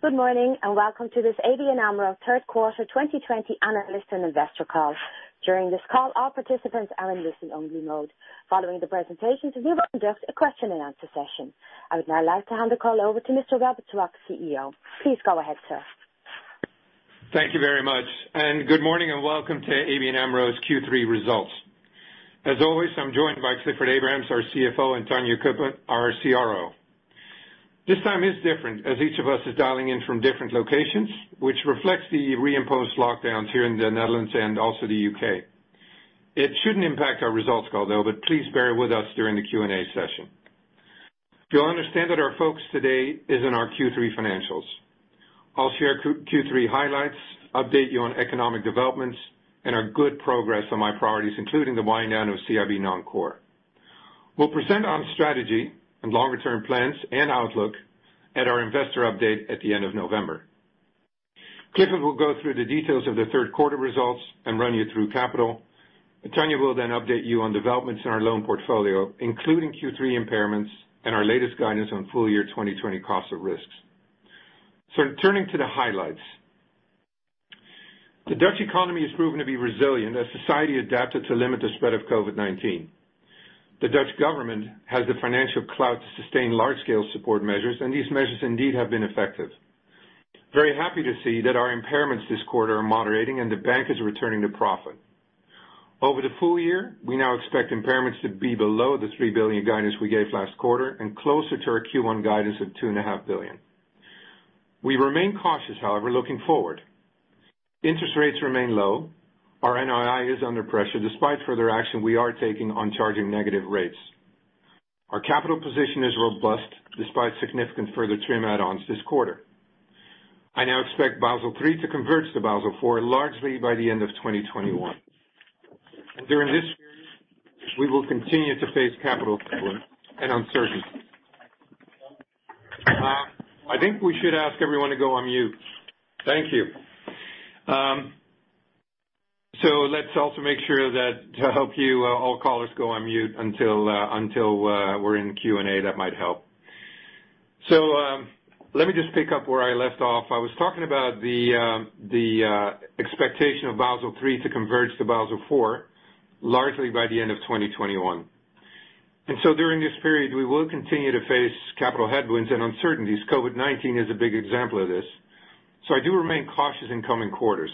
Good morning, and welcome to this ABN AMRO third quarter 2020 analyst and investor call. During this call, all participants are in listen-only mode. Following the presentations, we will conduct a question and answer session. I would now like to hand the call over to Mr. Robert Swaak, CEO. Please go ahead, sir. Thank you very much. Good morning and welcome to ABN AMRO's Q3 results. As always, I'm joined by Clifford Abrahams, our CFO, and Tanja Cuppen, our CRO. This time is different as each of us is dialing in from different locations, which reflects the reimposed lockdowns here in the Netherlands. Also the U.K. It shouldn't impact our results call, though. Please bear with us during the Q&A session. You'll understand that our focus today is on our Q3 financials. I'll share Q3 highlights, update you on economic developments. Our good progress on my priorities, including the wind down of CIB non-core. We'll present on strategy and longer-term plans and outlook at our investor update at the end of November. Clifford will go through the details of the third quarter results and run you through capital. Tanja will update you on developments in our loan portfolio, including Q3 impairments and our latest guidance on full-year 2020 cost of risks. Turning to the highlights. The Dutch economy has proven to be resilient as society adapted to limit the spread of COVID-19. The Dutch government has the financial clout to sustain large-scale support measures, and these measures indeed have been effective. Very happy to see that our impairments this quarter are moderating and the bank is returning to profit. Over the full year, we now expect impairments to be below the 3 billion guidance we gave last quarter and closer to our Q1 guidance of two and a half billion. We remain cautious, however, looking forward. Interest rates remain low. Our NII is under pressure despite further action we are taking on charging negative rates. Our capital position is robust despite significant further TRIM add-ons this quarter. I now expect Basel III to converge to Basel IV largely by the end of 2021. During this period, we will continue to face capital and uncertainties. I think we should ask everyone to go on mute. Thank you. Let's also make sure that to help you, all callers go on mute until we're in Q&A. That might help. Let me just pick up where I left off. I was talking about the expectation of Basel III to converge to Basel IV, largely by the end of 2021. During this period, we will continue to face capital headwinds and uncertainties. COVID-19 is a big example of this. I do remain cautious in coming quarters.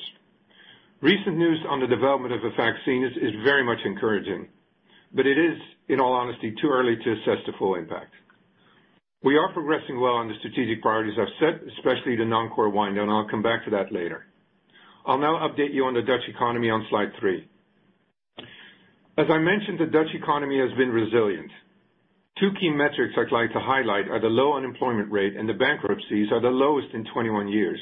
Recent news on the development of a vaccine is very much encouraging, but it is, in all honesty, too early to assess the full impact. We are progressing well on the strategic priorities I've set, especially the non-core wind down. I'll come back to that later. I'll now update you on the Dutch economy on slide three. As I mentioned, the Dutch economy has been resilient. Two key metrics I'd like to highlight are the low unemployment rate and the bankruptcies are the lowest in 21 years.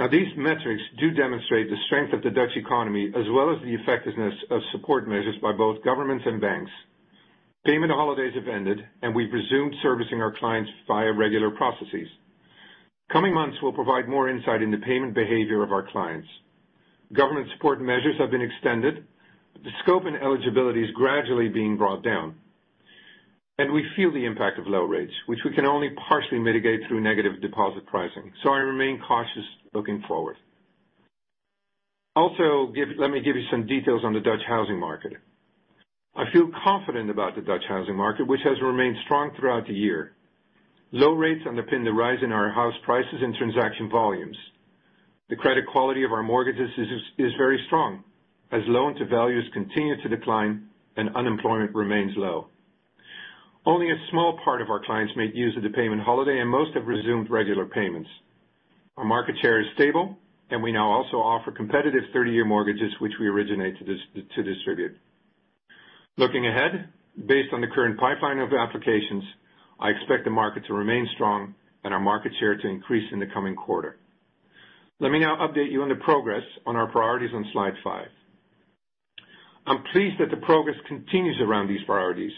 Now, these metrics do demonstrate the strength of the Dutch economy, as well as the effectiveness of support measures by both governments and banks. Payment holidays have ended, and we've resumed servicing our clients via regular processes. Coming months will provide more insight into payment behavior of our clients. Government support measures have been extended. The scope and eligibility is gradually being brought down. We feel the impact of low rates, which we can only partially mitigate through negative deposit pricing. I remain cautious looking forward. Let me give you some details on the Dutch housing market. I feel confident about the Dutch housing market, which has remained strong throughout the year. Low rates underpin the rise in our house prices and transaction volumes. The credit quality of our mortgages is very strong as loan to values continue to decline and unemployment remains low. Only a small part of our clients made use of the payment holiday, and most have resumed regular payments. Our market share is stable, and we now also offer competitive 30-year mortgages, which we originate to distribute. Looking ahead, based on the current pipeline of applications, I expect the market to remain strong and our market share to increase in the coming quarter. Let me now update you on the progress on our priorities on slide five. I'm pleased that the progress continues around these priorities.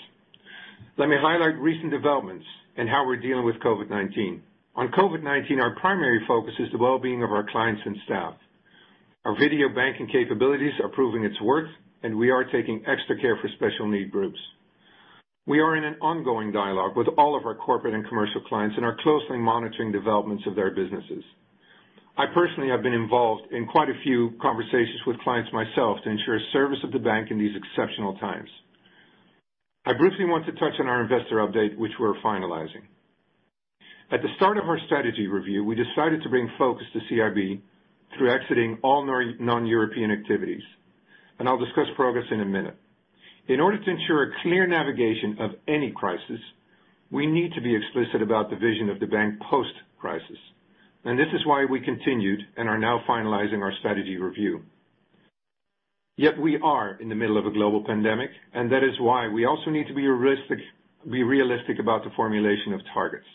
Let me highlight recent developments and how we're dealing with COVID-19. On COVID-19, our primary focus is the well-being of our clients and staff. Our video banking capabilities are proving its worth, and we are taking extra care for special need groups. We are in an ongoing dialogue with all of our corporate and commercial clients and are closely monitoring developments of their businesses. I personally have been involved in quite a few conversations with clients myself to ensure service of the bank in these exceptional times. I briefly want to touch on our investor update, which we're finalizing. At the start of our strategy review, we decided to bring focus to CIB through exiting all non-European activities. I'll discuss progress in a minute. In order to ensure a clear navigation of any crisis, we need to be explicit about the vision of the bank post-crisis. This is why we continued and are now finalizing our strategy review. Yet we are in the middle of a global pandemic, and that is why we also need to be realistic about the formulation of targets.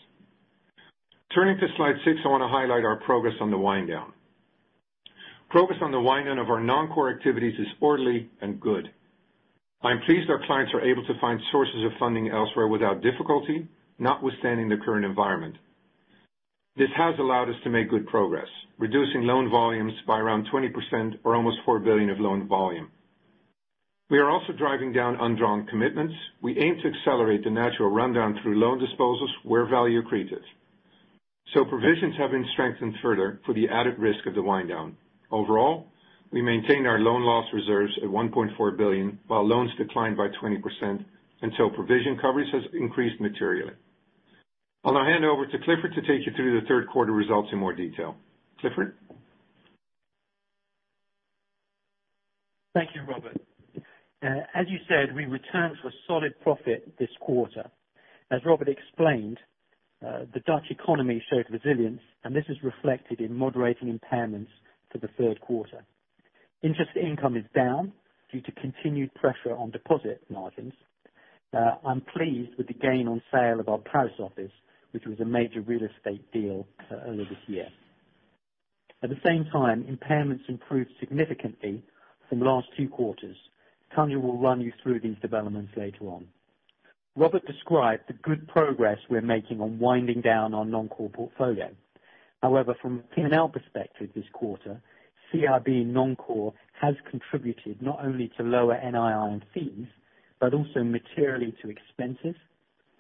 Turning to slide 6, I want to highlight our progress on the wind down. Progress on the wind down of our non-core activities is orderly and good. I'm pleased our clients are able to find sources of funding elsewhere without difficulty, notwithstanding the current environment. This has allowed us to make good progress, reducing loan volumes by around 20% or almost 4 billion of loan volume. We are also driving down undrawn commitments. We aim to accelerate the natural rundown through loan disposals where value accretive. Provisions have been strengthened further for the added risk of the wind down. Overall, we maintain our loan loss reserves at 1.4 billion, while loans declined by 20%, and so provision coverage has increased materially. I'll now hand over to Clifford to take you through the third quarter results in more detail. Clifford? Thank you, Robert. As you said, we returned for solid profit this quarter. As Robert explained, the Dutch economy showed resilience, and this is reflected in moderating impairments for the third quarter. Interest income is down due to continued pressure on deposit margins. I'm pleased with the gain on sale of our Paris office, which was a major real estate deal earlier this year. At the same time, impairments improved significantly from the last two quarters. Tanja will run you through these developments later on. Robert described the good progress we're making on winding down our non-core portfolio. However, from a P&L perspective this quarter, CIB non-core has contributed not only to lower NII and fees, but also materially to expenses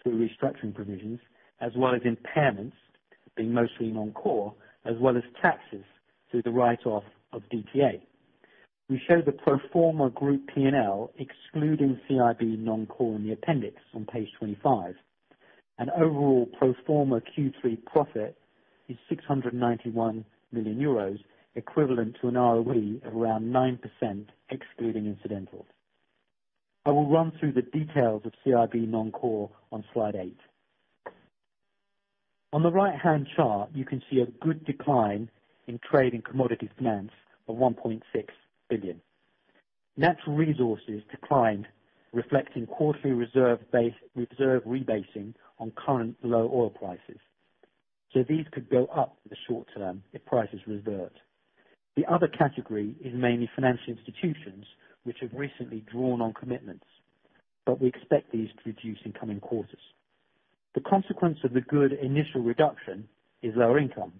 through restructuring provisions, as well as impairments being mostly non-core, as well as taxes through the write-off of DTA. We show the pro forma group P&L excluding CIB non-core in the appendix on page 25. Overall pro forma Q3 profit is 691 million euros, equivalent to an ROE of around 9% excluding incidentals. I will run through the details of CIB non-core on slide 8. On the right-hand chart, you can see a good decline in trade and commodity finance of 1.6 billion. Natural resources declined, reflecting quarterly reserve rebasing on current low oil prices. These could go up in the short term if prices revert. The other category is mainly financial institutions, which have recently drawn on commitments, but we expect these to reduce in coming quarters. The consequence of the good initial reduction is lower income.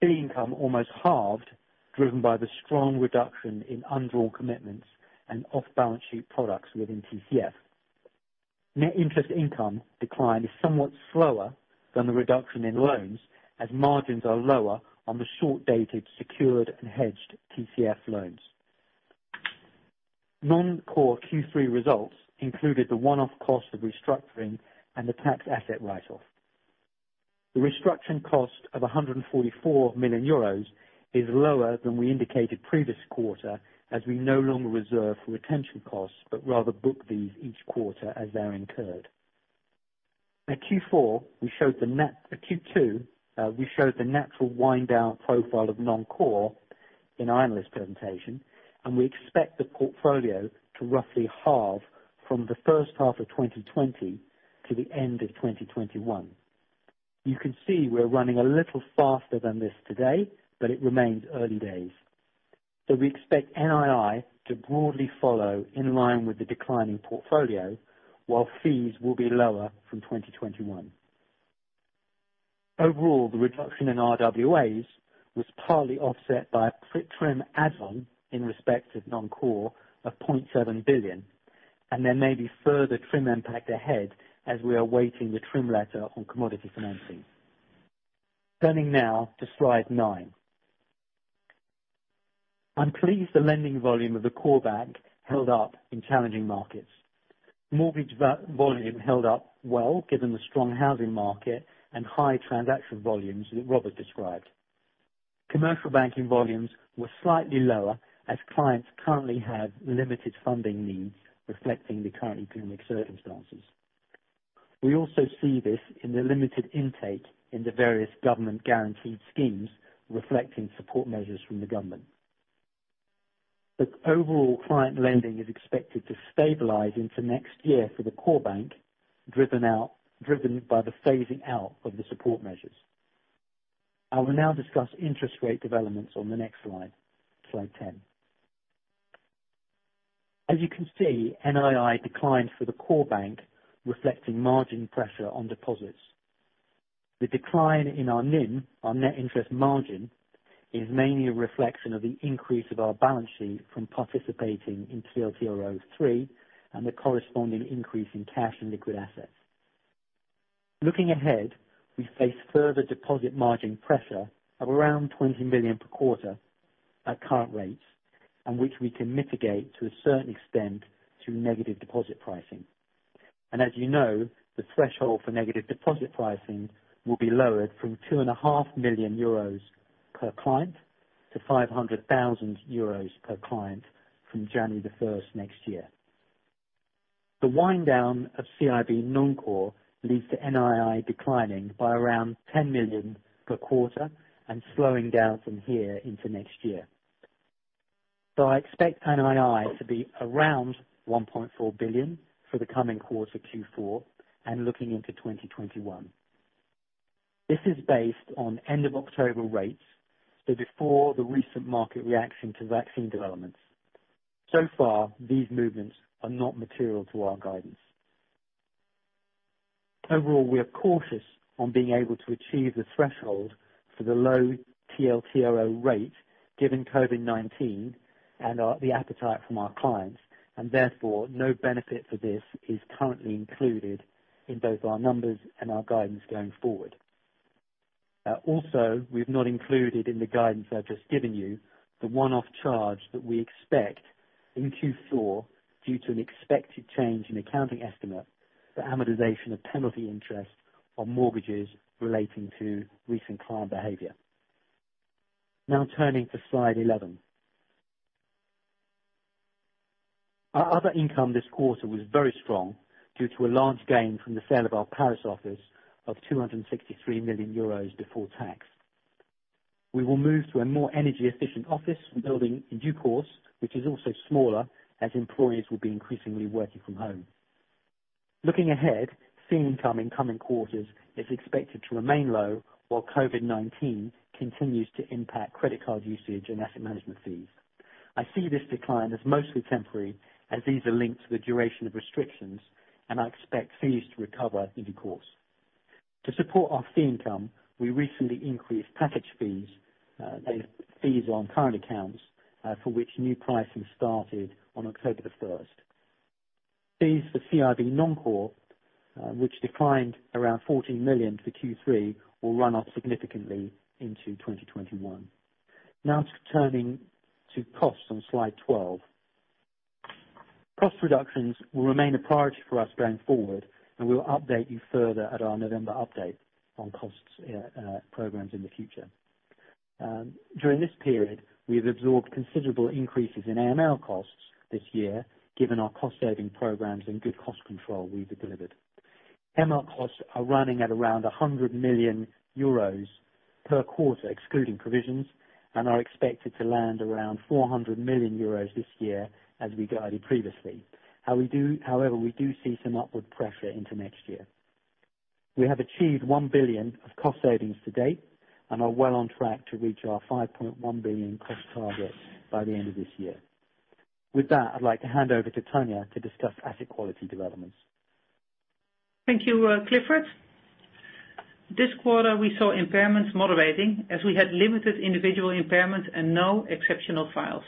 Fee income almost halved, driven by the strong reduction in undrawn commitments and off-balance sheet products within TCF. Net interest income decline is somewhat slower than the reduction in loans, as margins are lower on the short-dated, secured, and hedged TCF loans. Non-core Q3 results included the one-off cost of restructuring and the tax asset write-off. The restructuring cost of 144 million euros is lower than we indicated previous quarter, as we no longer reserve for retention costs, but rather book these each quarter as they are incurred. At Q2, we showed the natural wind down profile of non-core in our analyst presentation, and we expect the portfolio to roughly halve from the first half of 2020 to the end of 2021. You can see we're running a little faster than this today, but it remains early days. We expect NII to broadly follow in line with the declining portfolio, while fees will be lower from 2021. Overall, the reduction in RWAs was partly offset by a TRIM add-on in respect of non-core of 0.7 billion. There may be further TRIM impact ahead as we are awaiting the TRIM letter on commodity financing. Turning now to slide 9. I'm pleased the lending volume of the core bank held up in challenging markets. Mortgage volume held up well, given the strong housing market and high transaction volumes that Robert described. Commercial banking volumes were slightly lower as clients currently have limited funding needs, reflecting the current economic circumstances. We also see this in the limited intake in the various government guaranteed schemes reflecting support measures from the government. Overall, client lending is expected to stabilize into next year for the core bank, driven by the phasing out of the support measures. I will now discuss interest rate developments on the next slide 10. As you can see, NII declined for the core bank, reflecting margin pressure on deposits. The decline in our NIM, our net interest margin, is mainly a reflection of the increase of our balance sheet from participating in TLTRO3 and the corresponding increase in cash and liquid assets. Looking ahead, we face further deposit margin pressure of around 20 million per quarter at current rates, which we can mitigate to a certain extent through negative deposit pricing. As you know, the threshold for negative deposit pricing will be lowered from 2.5 million euros per client to 500,000 euros per client from January 1st next year. The wind down of CIB non-core leads to NII declining by around 10 million per quarter and slowing down from here into next year. I expect NII to be around 1.4 billion for the coming quarter Q4 and looking into 2021. This is based on end of October rates, so before the recent market reaction to vaccine developments. So far, these movements are not material to our guidance. Overall, we are cautious on being able to achieve the threshold for the low TLTRO rate, given COVID-19 and the appetite from our clients, and therefore, no benefit for this is currently included in both our numbers and our guidance going forward. We've not included in the guidance I've just given you the one-off charge that we expect in Q4 due to an expected change in accounting estimate for amortization of penalty interest on mortgages relating to recent client behavior. Now turning to slide 11. Our other income this quarter was very strong due to a large gain from the sale of our Paris office of 263 million euros before tax. We will move to a more energy efficient office and building in due course, which is also smaller, as employees will be increasingly working from home. Looking ahead, fee income in coming quarters is expected to remain low while COVID-19 continues to impact credit card usage and asset management fees. I see this decline as mostly temporary, as these are linked to the duration of restrictions, and I expect fees to recover in due course. To support our fee income, we recently increased package fees on current accounts, for which new pricing started on October the 1st. Fees for CIB non-core, which declined around 14 million for Q3, will run up significantly into 2021. Now turning to costs on slide 12. Cost reductions will remain a priority for us going forward, and we'll update you further at our November update on cost programs in the future. During this period, we have absorbed considerable increases in AML costs this year, given our cost saving programs and good cost control we've delivered. AML costs are running at around 100 million euros per quarter, excluding provisions, and are expected to land around 400 million euros this year as we guided previously. However, we do see some upward pressure into next year. We have achieved 1 billion of cost savings to date and are well on track to reach our 5.1 billion cost target by the end of this year. With that, I'd like to hand over to Tanja to discuss asset quality developments. Thank you, Clifford. This quarter, we saw impairments moderating as we had limited individual impairments and no exceptional files.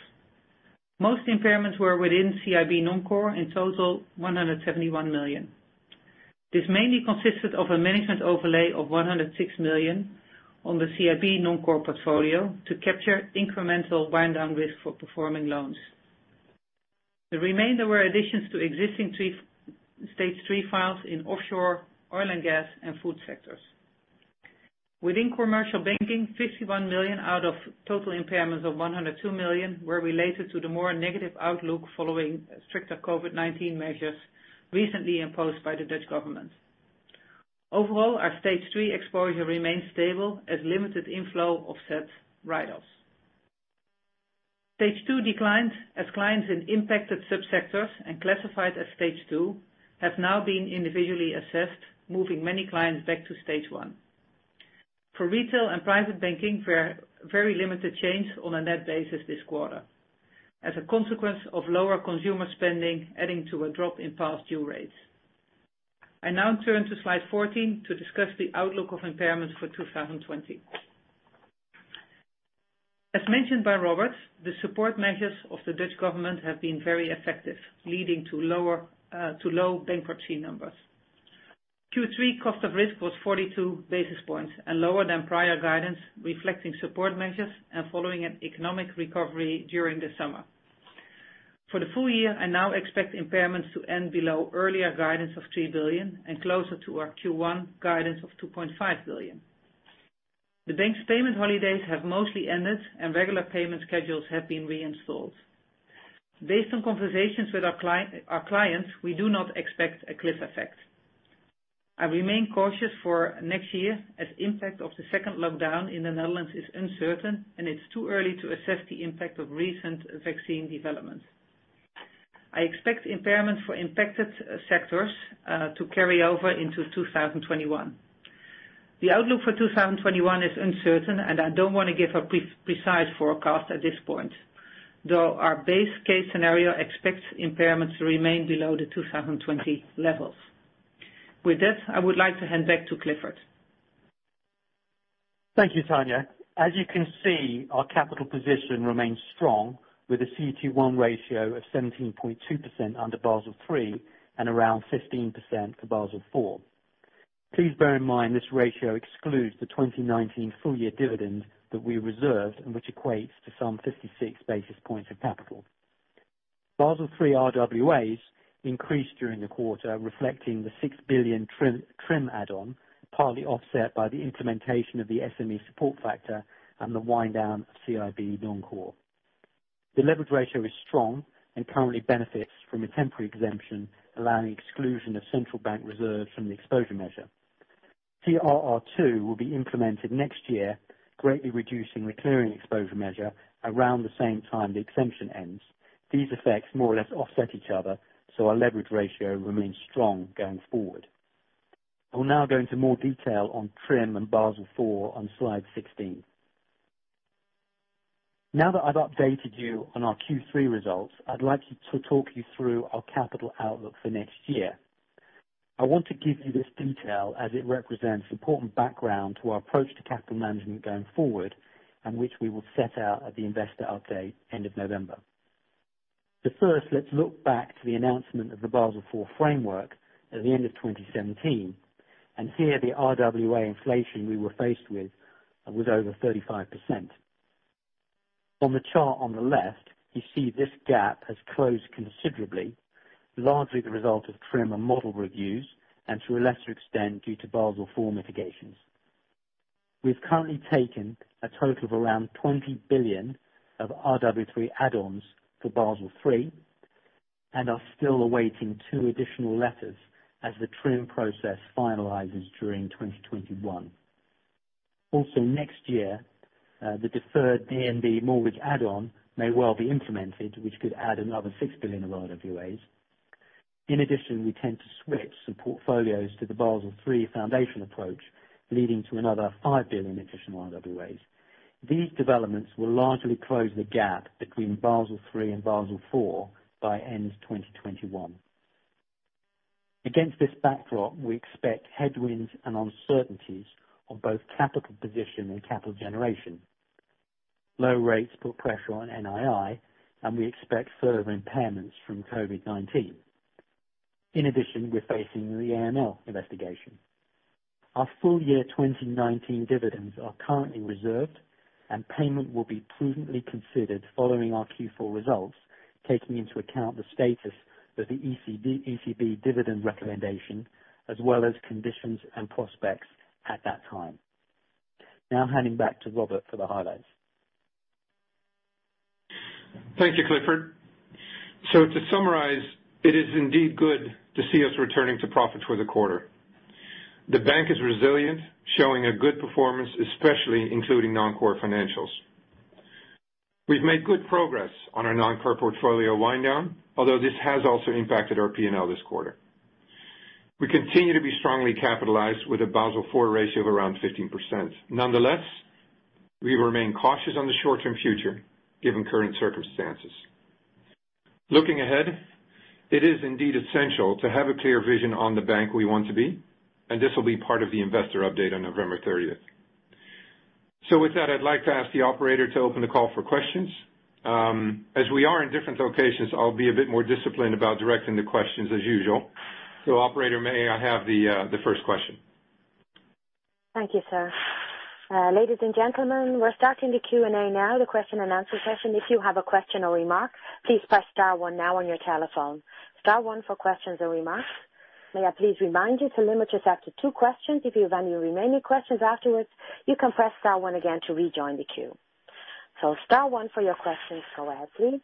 Most impairments were within CIB non-core, in total 171 million. This mainly consisted of a management overlay of 106 million on the CIB non-core portfolio to capture incremental wind down risk for performing loans. The remainder were additions to existing stage 3 files in offshore oil and gas and food sectors. Within commercial banking, 51 million out of total impairments of 102 million were related to the more negative outlook following stricter COVID-19 measures recently imposed by the Dutch government. Overall, our stage 3 exposure remains stable as limited inflow offsets write-offs. Stage 2 declines as clients in impacted sub-sectors and classified as stage 2 have now been individually assessed, moving many clients back to stage 1. For retail and private banking, very limited change on a net basis this quarter as a consequence of lower consumer spending, adding to a drop in past due rates. I now turn to slide 14 to discuss the outlook of impairments for 2020. As mentioned by Robert, the support measures of the Dutch government have been very effective, leading to low bankruptcy numbers. Q3 cost of risk was 42 basis points and lower than prior guidance, reflecting support measures and following an economic recovery during the summer. For the full year, I now expect impairments to end below earlier guidance of 3 billion and closer to our Q1 guidance of 2.5 billion. The bank's payment holidays have mostly ended, and regular payment schedules have been reinstalled. Based on conversations with our clients, we do not expect a cliff effect. I remain cautious for next year as impact of the second lockdown in the Netherlands is uncertain, and it's too early to assess the impact of recent vaccine developments. I expect impairments for impacted sectors to carry over into 2021. The outlook for 2021 is uncertain, and I don't want to give a precise forecast at this point, though our base case scenario expects impairments to remain below the 2020 levels. With this, I would like to hand back to Clifford. Thank you, Tanja. As you can see, our capital position remains strong with a CET1 ratio of 17.2% under Basel III and around 15% for Basel IV. Please bear in mind this ratio excludes the 2019 full year dividends that we reserved and which equates to some 56 basis points of capital. Basel III RWAs increased during the quarter, reflecting the EUR 6 billion TRIM add on, partly offset by the implementation of the SME support factor and the wind down of CIB non-core. The leverage ratio is strong and currently benefits from a temporary exemption allowing exclusion of central bank reserves from the exposure measure. CRR2 will be implemented next year, greatly reducing the clearing exposure measure around the same time the exemption ends. These effects more or less offset each other, so our leverage ratio remains strong going forward. I will now go into more detail on TRIM and Basel IV on slide 16. Now that I've updated you on our Q3 results, I'd like to talk you through our capital outlook for next year. I want to give you this detail as it represents important background to our approach to capital management going forward, which we will set out at the investor update end of November. First, let's look back to the announcement of the Basel IV framework at the end of 2017, and here the RWA inflation we were faced with was over 35%. On the chart on the left, you see this gap has closed considerably, largely the result of TRIM and model reviews, and to a lesser extent, due to Basel IV mitigations. We've currently taken a total of around 20 billion of RWA add-ons for Basel III and are still awaiting two additional letters as the TRIM process finalizes during 2021. Next year, the deferred DNB mortgage add-on may well be implemented, which could add another 6 billion RWAs. We tend to switch some portfolios to the Basel III foundation approach, leading to another 5 billion additional RWAs. These developments will largely close the gap between Basel III and Basel IV by end of 2021. Against this backdrop, we expect headwinds and uncertainties on both capital position and capital generation. Low rates put pressure on NII, and we expect further impairments from COVID-19. We're facing the AML investigation. Our full year 2019 dividends are currently reserved, and payment will be prudently considered following our Q4 results, taking into account the status of the ECB dividend recommendation, as well as conditions and prospects at that time. Now handing back to Robert for the highlights. Thank you, Clifford. To summarize, it is indeed good to see us returning to profit for the quarter. The bank is resilient, showing a good performance, especially including non-core financials. We've made good progress on our non-core portfolio wind down, although this has also impacted our P&L this quarter. We continue to be strongly capitalized with a Basel IV ratio of around 15%. Nonetheless, we remain cautious on the short-term future, given current circumstances. Looking ahead, it is indeed essential to have a clear vision on the bank we want to be, and this will be part of the investor update on November 30th. With that, I'd like to ask the operator to open the call for questions. As we are in different locations, I'll be a bit more disciplined about directing the questions as usual. Operator, may I have the first question? Thank you, sir. Ladies and gentlemen, we're starting the Q&A now, the question and answer session. If you have a question or remark, please press star one now on your telephone. Star one for questions or remarks. May I please remind you to limit yourself to two questions. If you have any remaining questions afterwards, you can press star one again to rejoin the queue. Star one for your questions. Go ahead, please.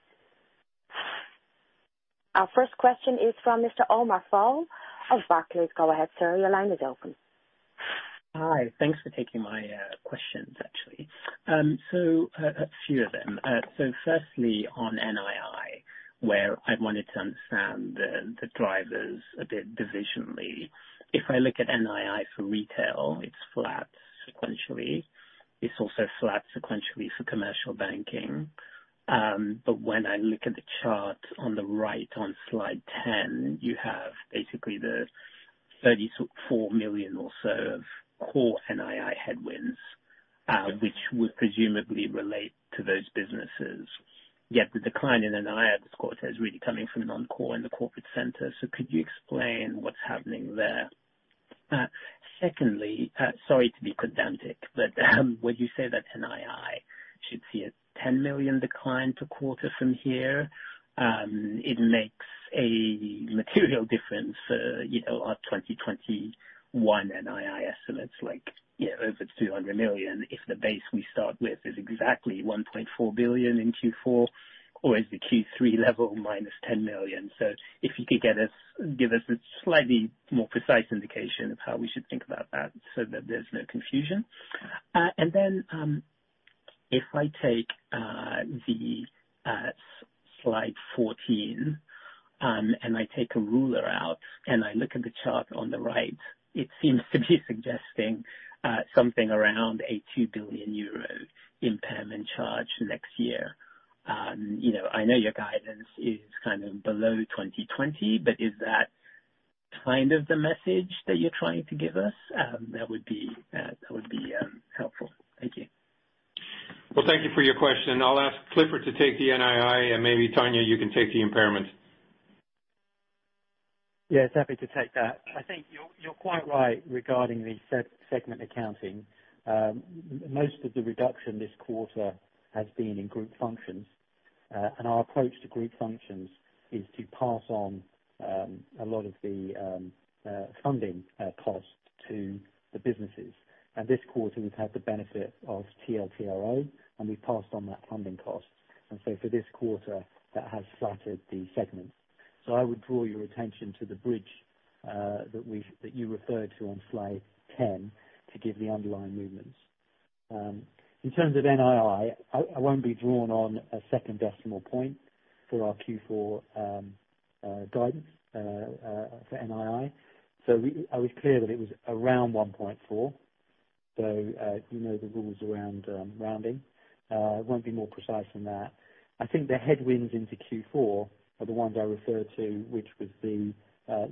Our first question is from Mr. Omar Fall of Barclays. Go ahead, sir. Your line is open. Hi. Thanks for taking my questions, actually. A few of them. Firstly, on NII, where I wanted to understand the drivers a bit divisionally. If I look at NII for retail, it's flat sequentially. It's also flat sequentially for commercial banking. When I look at the chart on the right on slide 10, you have basically the 34 million or so of core NII headwinds, which would presumably relate to those businesses. Yet the decline in NII this quarter is really coming from non-core in the corporate center. Could you explain what's happening there? Secondly, sorry to be pedantic, but would you say that NII should see a 10 million decline per quarter from here? It makes a material difference for our 2021 NII estimates, like over 200 million, if the base we start with is exactly 1.4 billion in Q4, or is the Q3 level minus 10 million. If you could give us a slightly more precise indication of how we should think about that so that there's no confusion. If I take the slide 14, and I take a ruler out, and I look at the chart on the right, it seems to be suggesting something around a 2 billion euro impairment charge next year. I know your guidance is kind of below 2020, but is that kind of the message that you're trying to give us? That would be helpful. Thank you. Well, thank you for your question. I'll ask Clifford to take the NII, and maybe Tanja, you can take the impairment. Yes, happy to take that. I think you're quite right regarding the segment accounting. Most of the reduction this quarter has been in group functions. Our approach to group functions is to pass on a lot of the funding cost to the businesses. This quarter, we've had the benefit of TLTRO, and we've passed on that funding cost. For this quarter, that has flattered the segment. I would draw your attention to the bridge that you referred to on slide 10 to give the underlying movements. In terms of NII, I won't be drawn on a second decimal point for our Q4 guidance for NII. I was clear that it was around 1.4. You know the rules around rounding. Won't be more precise than that. I think the headwinds into Q4 are the ones I referred to, which was the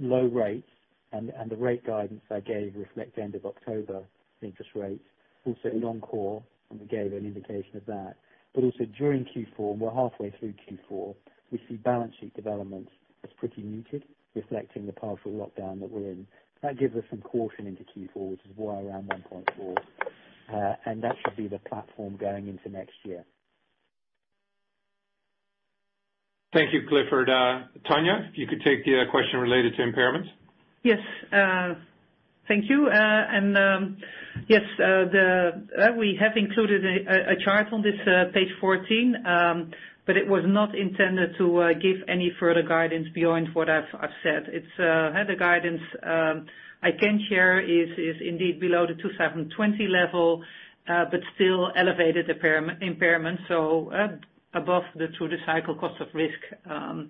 low rates. The rate guidance I gave reflect the end of October interest rates, also non-core. We gave an indication of that. Also during Q4, we're halfway through Q4, we see balance sheet development as pretty muted, reflecting the partial lockdown that we're in. That gives us some caution into Q4, which is why around 1.4. That should be the platform going into next year. Thank you, Clifford. Tanja, if you could take the question related to impairments. Yes. Thank you. Yes, we have included a chart on this page 14, but it was not intended to give any further guidance beyond what I've said. The guidance I can share is indeed below the 2020 level, but still elevated impairment, so above the through-the-cycle cost of risk. I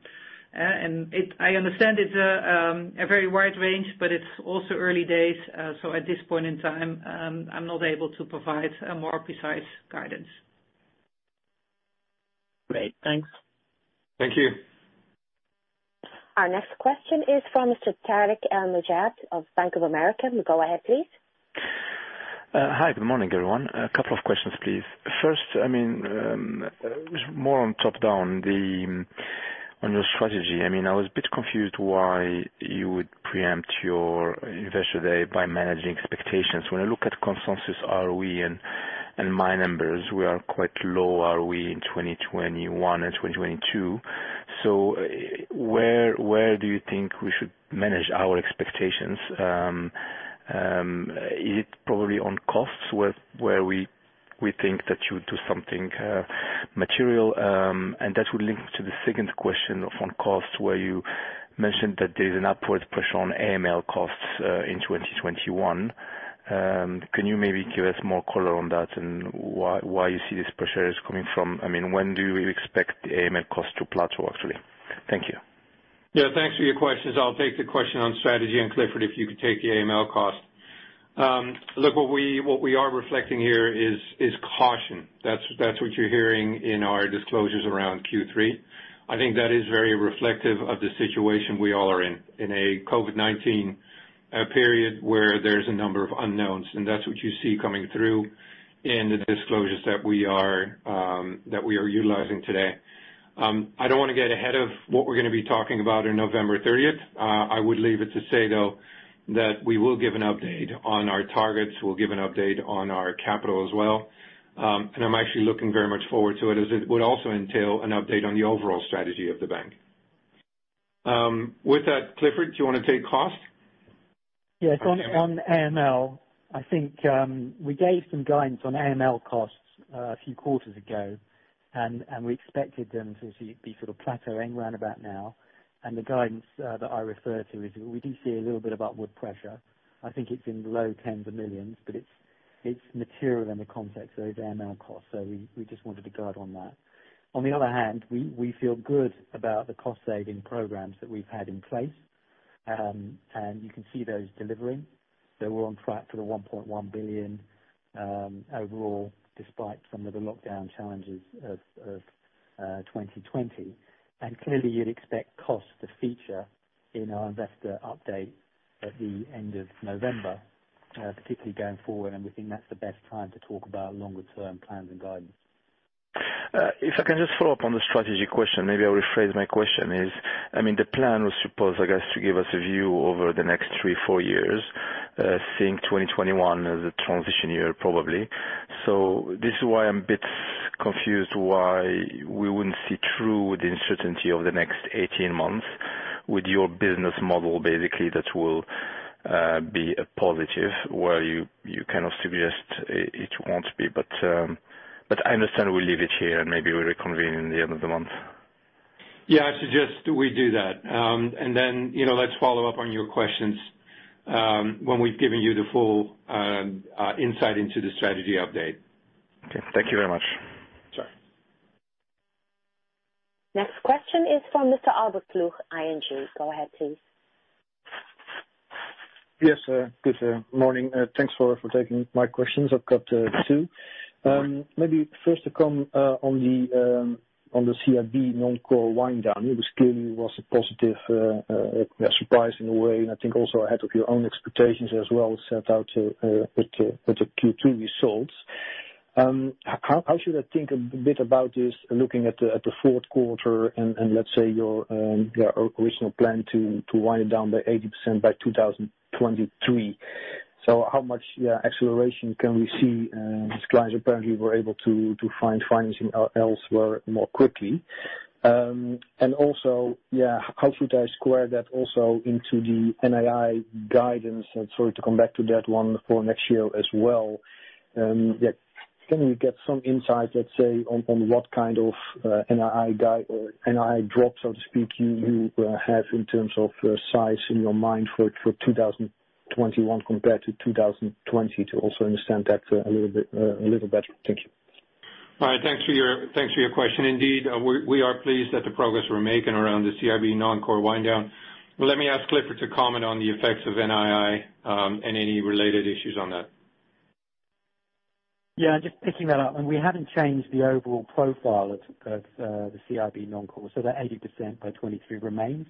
understand it's a very wide range, but it's also early days. At this point in time, I'm not able to provide a more precise guidance. Great. Thanks. Thank you. Our next question is from Mr. Tarik El Mejjad of Bank of America. Go ahead, please. Hi. Good morning, everyone. A couple of questions, please. More on top-down on your strategy. I was a bit confused why you would preempt your investor day by managing expectations. When I look at consensus ROE and my numbers, we are quite low ROE in 2021 and 2022. Where do you think we should manage our expectations? Is it probably on costs where we think that you do something material? That would link to the second question on cost, where you mentioned that there's an upward pressure on AML costs in 2021. Can you maybe give us more color on that and where you see this pressure is coming from? When do you expect the AML cost to plateau, actually? Thank you. Thanks for your questions. I'll take the question on strategy, and Clifford, if you could take the AML cost. What we are reflecting here is caution. That's what you're hearing in our disclosures around Q3. I think that is very reflective of the situation we all are in a COVID-19 period where there's a number of unknowns, and that's what you see coming through in the disclosures that we are utilizing today. I don't want to get ahead of what we're going to be talking about on November 30th. I would leave it to say, though, that we will give an update on our targets. We'll give an update on our capital as well. I'm actually looking very much forward to it as it would also entail an update on the overall strategy of the bank. With that, Clifford, do you want to take cost? Yes. On AML, I think we gave some guidance on AML costs a few quarters ago. We expected them to be sort of plateauing round about now. The guidance that I refer to is we do see a little bit upward pressure. I think it's in the low tens of millions of EUR. It's material in the context of AML costs. We just wanted to guide on that. On the other hand, we feel good about the cost-saving programs that we've had in place. You can see those delivering. We're on track for the 1.1 billion overall, despite some of the lockdown challenges of 2020. Clearly, you'd expect cost to feature in our investor update at the end of November, particularly going forward. We think that's the best time to talk about longer-term plans and guidance. If I can just follow up on the strategy question, maybe I'll rephrase my question. The plan was supposed, I guess, to give us a view over the next three, four years, seeing 2021 as a transition year, probably. This is why I'm a bit confused why we wouldn't see through the uncertainty of the next 18 months with your business model, basically, that will be a positive, where you kind of suggest it won't be. I understand we'll leave it here, and maybe we'll reconvene in the end of the month. Yeah, I suggest we do that. Let's follow up on your questions when we've given you the full insight into the strategy update. Okay. Thank you very much. Sure. Next question is from Mr. Albert Ploegh, ING. Go ahead, please. Yes. Good morning. Thanks for taking my questions. I've got two. Sure. Maybe first to come on the CIB non-core wind down, it was clearly a positive surprise in a way, and I think also ahead of your own expectations as well, set out with the Q2 results. How should I think a bit about this, looking at the fourth quarter and let's say your original plan to wind it down by 80% by 2023. How much acceleration can we see? These clients apparently were able to find financing elsewhere more quickly. Also, how should I square that also into the NII guidance, and sorry to come back to that one, for next year as well. Can we get some insight, let's say, on what kind of NII drop, so to speak, you have in terms of size in your mind for 2023? 2021 compared to 2020, to also understand that a little better. Thank you. All right. Thanks for your question. Indeed, we are pleased at the progress we're making around the CIB non-core wind down. Let me ask Clifford to comment on the effects of NII, and any related issues on that. Yeah. Just picking that up. We haven't changed the overall profile of the CIB non-core, so that 80% by 2023 remains.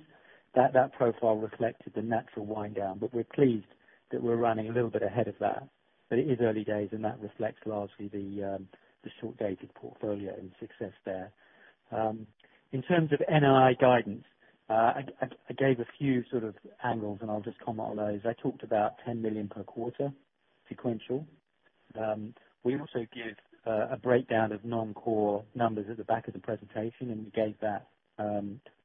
That profile reflected the natural wind down, but we're pleased that we're running a little bit ahead of that. It is early days, and that reflects largely the short-dated portfolio and success there. In terms of NII guidance, I gave a few angles, and I'll just comment on those. I talked about 10 million per quarter sequential. We also give a breakdown of non-core numbers at the back of the presentation, and we gave that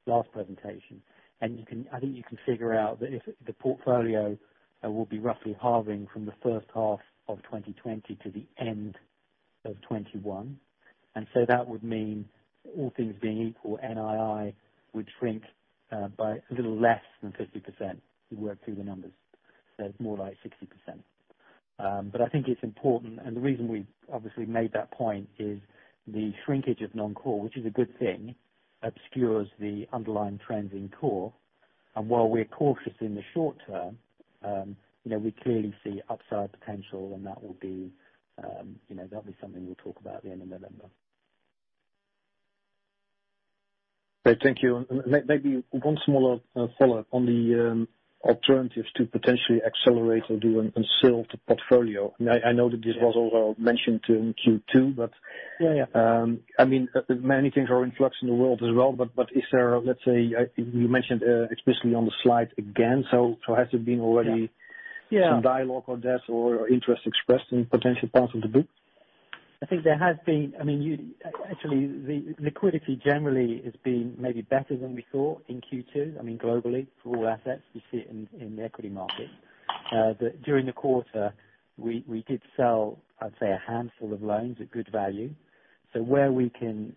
last presentation. I think you can figure out that if the portfolio will be roughly halving from the first half of 2020 to the end of 2021. That would mean all things being equal, NII would shrink by a little less than 50%, if you work through the numbers. It's more like 60%. I think it's important, and the reason we obviously made that point is the shrinkage of non-core, which is a good thing, obscures the underlying trends in core. While we're cautious in the short term, we clearly see upside potential, and that will be something we'll talk about at the end of November. Okay. Thank you. Maybe one smaller follow-up on the alternatives to potentially accelerate or do a sell to portfolio. I know that this was all mentioned in Q2. Yeah many things are in flux in the world as well. Is there, let's say, you mentioned explicitly on the slide again, has there been already some dialogue on this or interest expressed in potential parts of the book? I think there has been. Actually, the liquidity generally has been maybe better than we thought in Q2, globally for all assets. We see it in the equity market. During the quarter, we did sell, I'd say, a handful of loans at good value. Where we can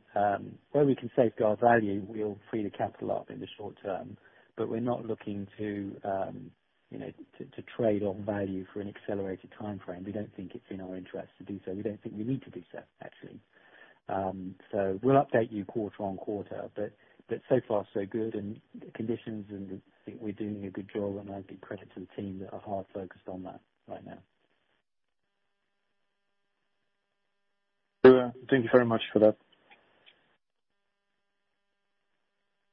safeguard value, we'll free the capital up in the short term. We're not looking to trade off value for an accelerated timeframe. We don't think it's in our interest to do so. We don't think we need to do so, actually. We'll update you quarter on quarter, but so far so good, and conditions, and I think we're doing a good job, and I give credit to the team that are hard focused on that right now. Thank you very much for that.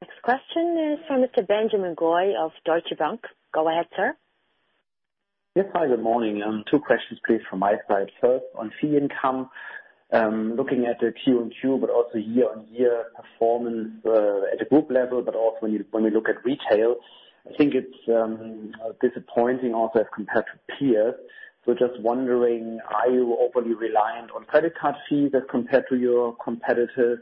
Next question is from Mr. Benjamin Goy of Deutsche Bank. Go ahead, sir. Yes. Hi, good morning. Two questions, please, from my side. First, on fee income, looking at the quarter-on-quarter, also year on year performance at the group level, also when we look at retail. I think it's disappointing also as compared to peers. Just wondering, are you overly reliant on credit card fees as compared to your competitors?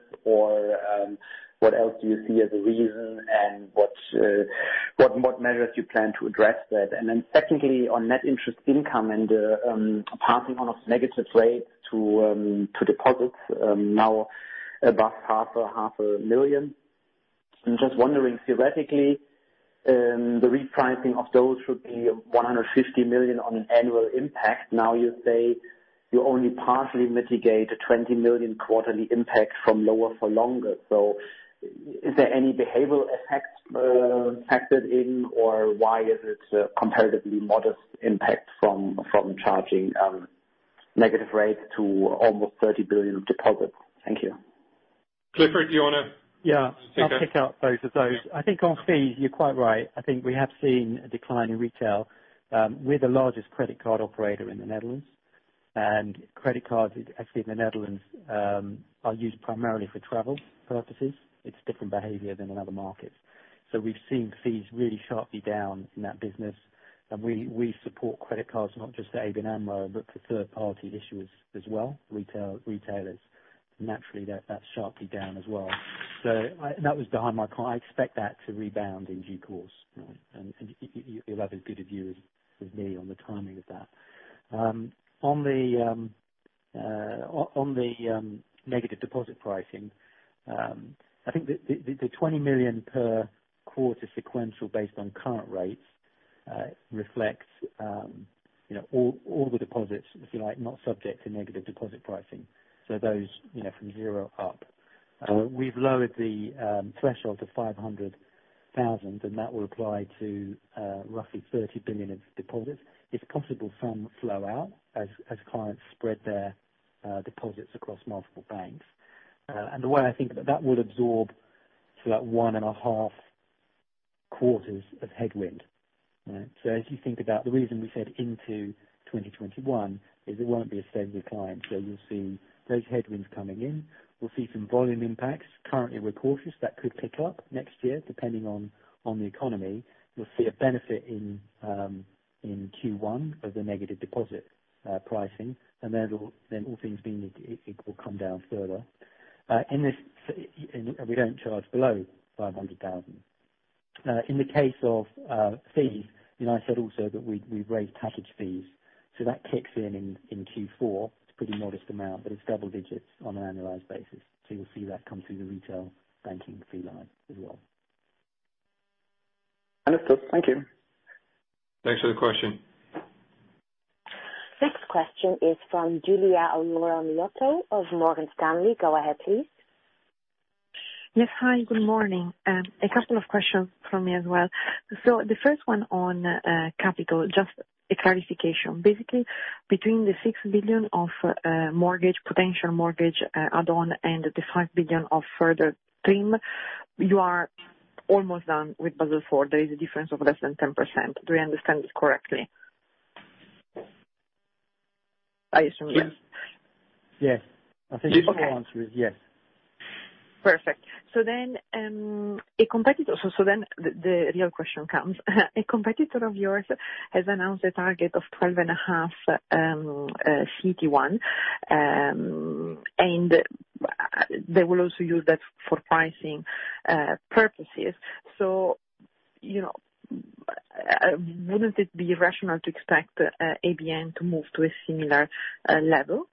What else do you see as a reason, and what measures do you plan to address that? Secondly, on net interest income and the passing on of negative rates to deposits now above half a million. I'm just wondering theoretically, the repricing of those should be 150 million on an annual impact. You say you only partially mitigate a 20 million quarterly impact from lower for longer. Is there any behavioral effects factored in or why is it a comparatively modest impact from charging negative rates to almost 30 billion of deposits? Thank you. Clifford, do you want to take that? Yeah. I'll pick up both of those. I think on fees, you're quite right. I think we have seen a decline in retail. We're the largest credit card operator in the Netherlands, and credit cards actually in the Netherlands are used primarily for travel purposes. It's different behavior than in other markets. We've seen fees really sharply down in that business. We support credit cards, not just at ABN AMRO, but for third party issuers as well, retailers. Naturally, that's sharply down as well. That was behind my call. I expect that to rebound in due course. You'll have as good a view as me on the timing of that. On the negative deposit pricing, I think the 20 million per quarter sequential based on current rates reflects all the deposits, if you like, not subject to negative deposit pricing. Those from zero up. We've lowered the threshold to 500,000, and that will apply to roughly 30 billion of deposits. It's possible some flow out as clients spread their deposits across multiple banks. The way I think that will absorb to that one and a half quarters of headwind. As you think about the reason we said into 2021 is it won't be a steady decline. You'll see those headwinds coming in. We'll see some volume impacts. Currently, we're cautious. That could pick up next year depending on the economy. We'll see a benefit in Q1 of the negative deposit pricing, and then all things being, it will come down further. We don't charge below 500,000. In the case of fees, I said also that we've raised package fees. That kicks in in Q4. It's a pretty modest amount, but it's double digits on an annualized basis. You'll see that come through the retail banking fee line as well. Understood. Thank you. Thanks for the question. Next question is from Giulia Aurora Miotto of Morgan Stanley. Go ahead, please. Yes. Hi, good morning. A couple of questions from me as well. The first one on capital, just a clarification. Basically, between the 6 billion of potential mortgage add-on and the 5 billion of further TRIM, you are almost done with Basel IV. There is a difference of less than 10%. Do I understand it correctly? I assume yes. Yes. I think the answer is yes. Perfect. The real question comes. A competitor of yours has announced a target of 12.5 CET1, and they will also use that for pricing purposes. Wouldn't it be rational to expect ABN to move to a similar level?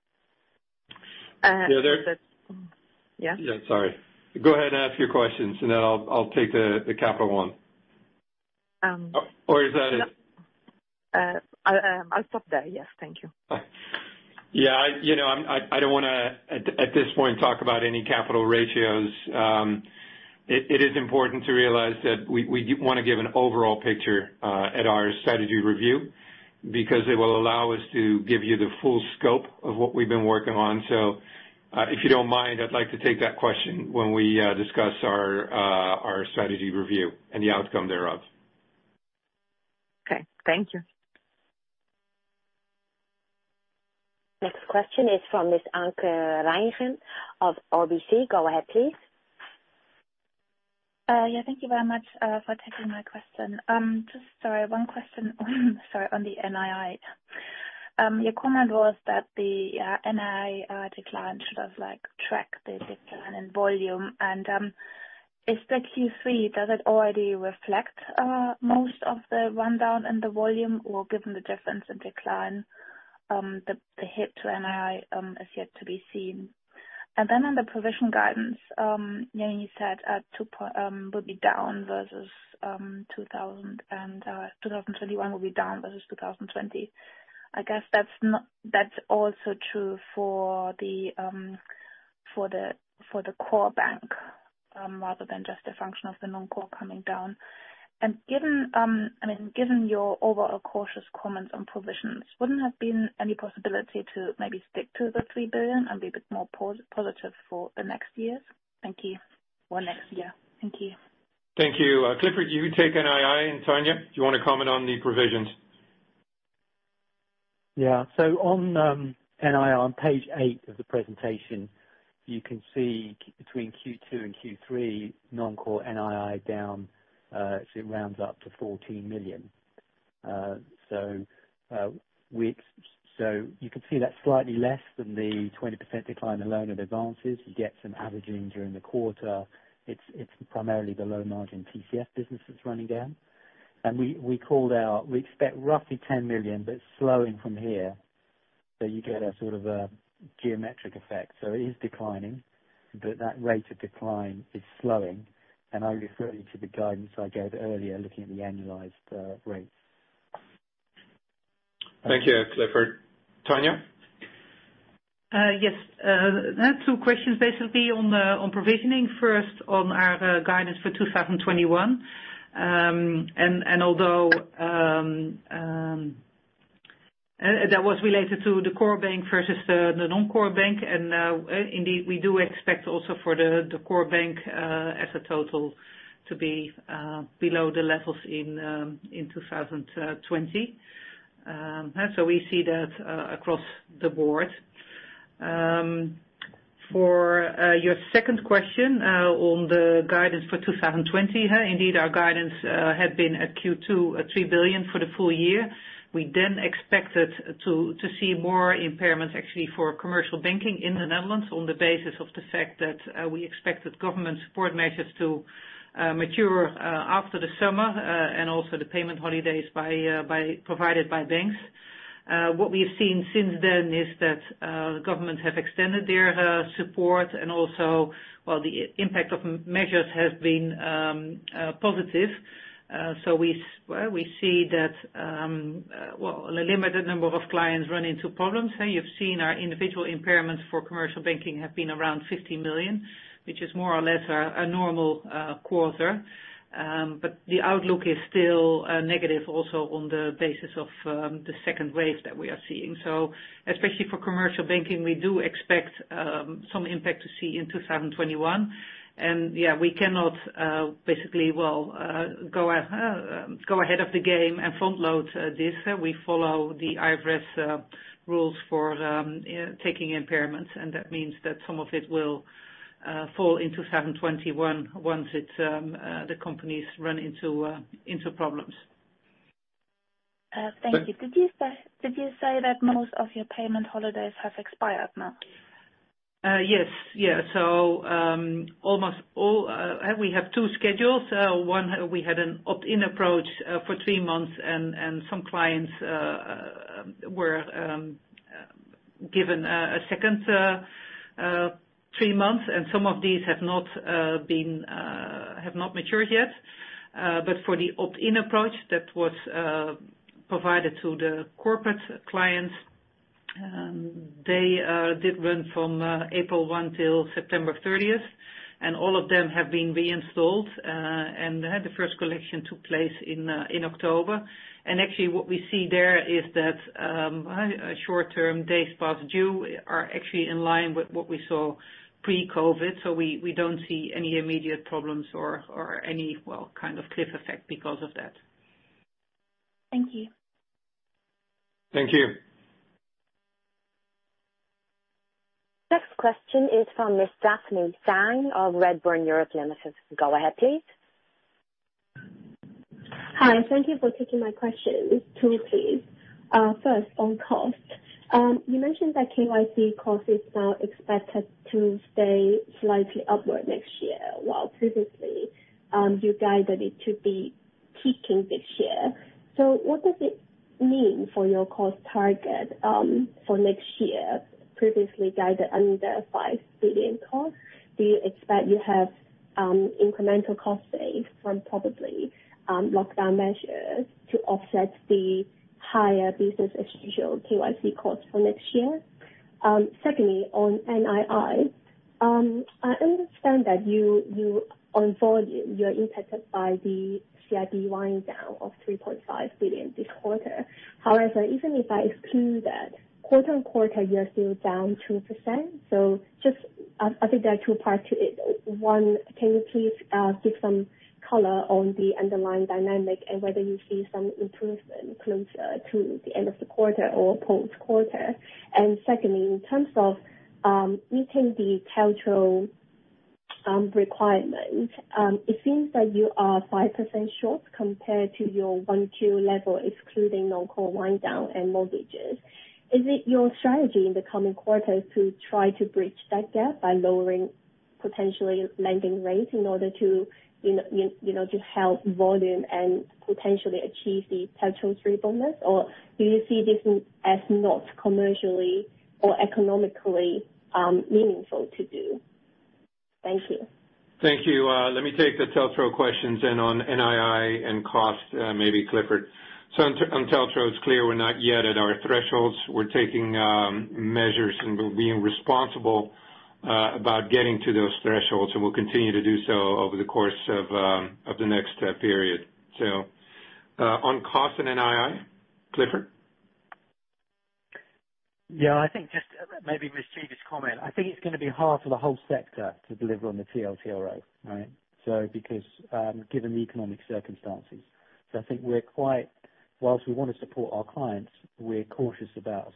Yeah. Yes. Yeah, sorry. Go ahead and ask your questions, and then I'll take the capital one. Is that it? I'll stop there. Yes. Thank you. I don't want to, at this point, talk about any capital ratios. It is important to realize that we want to give an overall picture at our strategy review because it will allow us to give you the full scope of what we've been working on. If you don't mind, I'd like to take that question when we discuss our strategy review and the outcome thereof. Okay. Thank you. Next question is from Ms. Anke Reingen of RBC. Go ahead, please. Yeah. Thank you very much for taking my question. Just, sorry, one question on the NII. Your comment was that the NII decline should have tracked the decline in volume. Is the Q3, does it already reflect most of the rundown in the volume, or given the difference in decline, the hit to NII is yet to be seen? On the provision guidance, you said 2021 will be down versus 2020. I guess that's also true for the core bank, rather than just a function of the non-core coming down. Given your overall cautious comments on provisions, wouldn't have been any possibility to maybe stick to the 3 billion and be a bit more positive for the next years? Thank you. Next year. Thank you. Thank you. Clifford, you take NII, and Tanja, do you want to comment on the provisions? Yeah. On NII, on page 8 of the presentation, you can see between Q2 and Q3, non-core NII down, it rounds up to 14 million. You can see that's slightly less than the 20% decline in loan and advances. You get some averaging during the quarter. It's primarily the low-margin TCF business that's running down. We called out, we expect roughly 10 million, it's slowing from here. You get a geometric effect. It is declining, that rate of decline is slowing, I would refer you to the guidance I gave earlier, looking at the annualized rates. Thank you, Clifford. Tanja? Yes. I had two questions basically on provisioning. First, on our guidance for 2021. Although that was related to the core bank versus the non-core bank, indeed, we do expect also for the core bank as a total to be below the levels in 2020. We see that across the board. For your second question on the guidance for 2020, indeed, our guidance had been at Q2 at 3 billion for the full year. We then expected to see more impairments actually for commercial banking in the Netherlands on the basis of the fact that we expected government support measures to mature after the summer, and also the payment holidays provided by banks. What we have seen since then is that the government have extended their support and also while the impact of measures has been positive. We see that a limited number of clients run into problems. You've seen our individual impairments for commercial banking have been around 50 million, which is more or less a normal quarter. The outlook is still negative also on the basis of the second wave that we are seeing. Especially for commercial banking, we do expect some impact to see in 2021. We cannot basically go ahead of the game and front-load this. We follow the IFRS rules for taking impairments, and that means that some of it will fall in 2021 once the companies run into problems. Thank you. Did you say that most of your payment holidays have expired now? Yes. We have two schedules. One, we had an opt-in approach for three months, and some clients were given a second three months, and some of these have not matured yet. For the opt-in approach that was provided to the corporate clients, they did run from April 1st till September 30th. All of them have been reinstalled, and the first collection took place in October. Actually, what we see there is that short-term days past due are actually in line with what we saw pre-COVID. We don't see any immediate problems or any cliff effect because of that. Thank you. Thank you. Next question is from Miss Daphne Tsang of Redburn (Europe) Limited. Go ahead, please. Hi. Thank you for taking my questions. Two, please. First, on cost. You mentioned that KYC cost is now expected to stay slightly upward next year, while previously you guided it to be peaking this year. What does it mean for your cost target for next year, previously guided under 5 billion cost? Do you expect you have incremental cost save from probably, lockdown measures to offset the higher business as usual KYC cost for next year? Secondly, on NII. I understand that on volume, you're impacted by the CIB wind down of 3.5 billion this quarter. Even if I exclude that, quarter-on-quarter, you are still down 2%. I think there are two parts to it. One, can you please give some color on the underlying dynamic and whether you see some improvement closer to the end of the quarter or post-quarter? Secondly, in terms of meeting the TLTRO requirement, it seems that you are 5% short compared to your Q1 level, excluding non-core wind down and mortgages. Is it your strategy in the coming quarters to try to bridge that gap by lowering potentially lending rates in order to help volume and potentially achieve the TLTRO3 bonus? Or do you see this as not commercially or economically meaningful to do? Thank you. Thank you. Let me take the TLTRO questions, and on NII and cost, maybe Clifford. On TLTRO, it's clear we're not yet at our thresholds. We're taking measures, and we're being responsible about getting to those thresholds, and we'll continue to do so over the course of the next period. On cost and NII, Clifford? Maybe with Judith's comment, I think it's going to be hard for the whole sector to deliver on the TLTRO, right, given the economic circumstances. I think whilst we want to support our clients, we're cautious about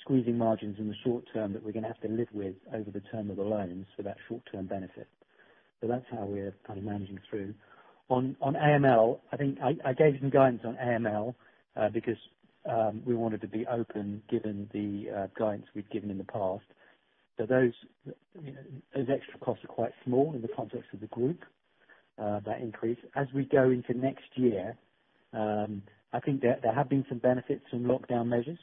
squeezing margins in the short term that we're going to have to live with over the term of the loans for that short-term benefit. That's how we're managing through. On AML, I gave you some guidance on AML because we wanted to be open given the guidance we'd given in the past. Those extra costs are quite small in the context of the group, that increase. As we go into next year, I think there have been some benefits from lockdown measures,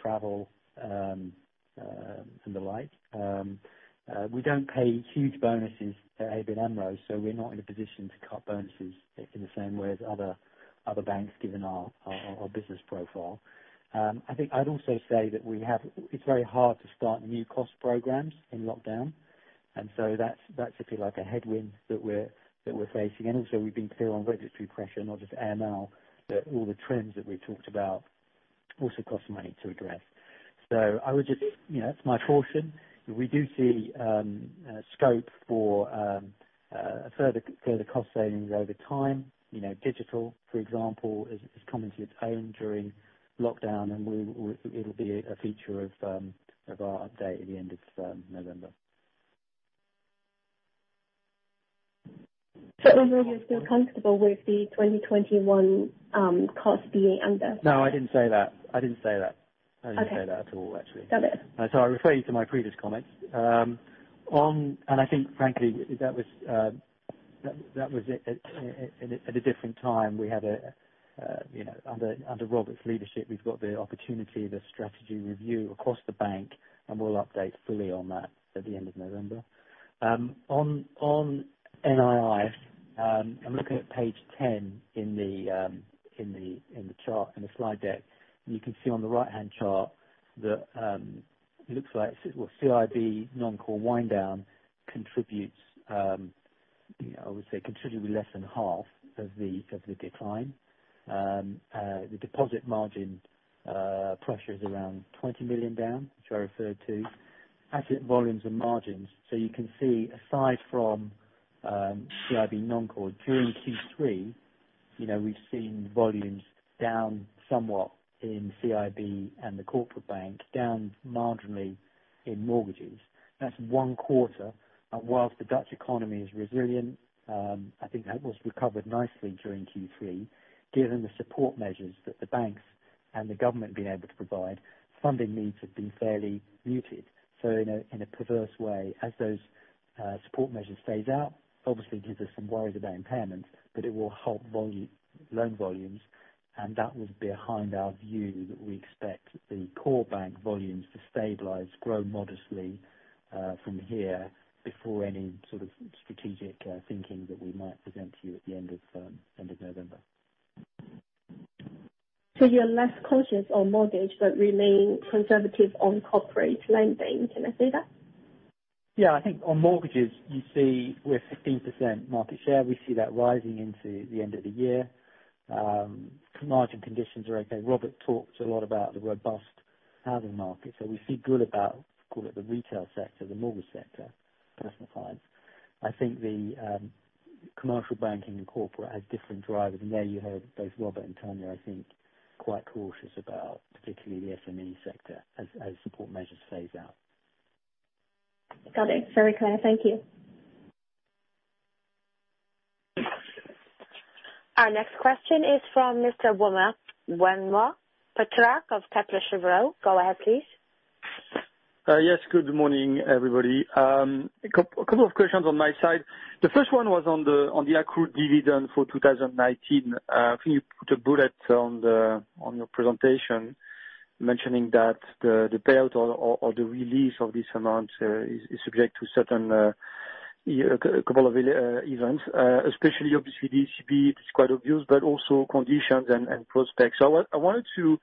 travel and the like. We don't pay huge bonuses at ABN AMRO, we're not in a position to cut bonuses in the same way as other banks, given our business profile. I think I'd also say that it's very hard to start new cost programs in lockdown, that's actually like a headwind that we're facing. Also we've been clear on regulatory pressure, not just AML, that all the trends that we've talked about also cost money to address. That's my caution. We do see scope for further cost savings over time. Digital, for example, has come into its own during lockdown, it'll be a feature of our update at the end of November. Overall, you feel comfortable with the 2021 cost being under? No, I didn't say that. I didn't say that. Okay. I didn't say that at all, actually. Got it. I refer you to my previous comments. I think frankly, that was at a different time. Under Robert's leadership, we've got the opportunity, the strategy review across the bank, and we'll update fully on that at the end of November. On NII, I'm looking at page 10 in the chart in the slide deck. You can see on the right-hand chart that it looks like CIB non-core wind down contributes, I would say, considerably less than half of the decline. The deposit margin pressure is around 20 million down, which I referred to. Asset volumes and margins. You can see, aside from CIB non-core during Q3, we've seen volumes down somewhat in CIB and the corporate bank, down marginally in mortgages. That's one quarter. Whilst the Dutch economy is resilient, I think that was recovered nicely during Q3. Given the support measures that the banks and the government have been able to provide, funding needs have been fairly muted. In a perverse way, as those support measures phase out, obviously it gives us some worries about impairment, but it will help loan volumes, and that was behind our view that we expect the core bank volumes to stabilize, grow modestly from here before any sort of strategic thinking that we might present to you at the end of November. You're less cautious on mortgage, but remain conservative on corporate lending. Can I say that? I think on mortgages, you see we're 15% market share. We see that rising into the end of the year. Margin conditions are okay. Robert talked a lot about the robust housing market. We feel good about, call it the retail sector, the mortgage sector, personal finance. I think the commercial banking and corporate has different drivers, there you heard both Robert and Tanja, I think, quite cautious about particularly the SME sector as support measures phase out. Got it. Very clear. Thank you. Our next question is from Mr. Chris Pitcher of Kepler Cheuvreux. Go ahead, please. Yes. Good morning, everybody. A couple of questions on my side. The first one was on the accrued dividend for 2019. I think you put a bullet on your presentation mentioning that the payout or the release of this amount is subject to certain couple of events, especially obviously ECB, it's quite obvious, but also conditions and prospects. I wanted to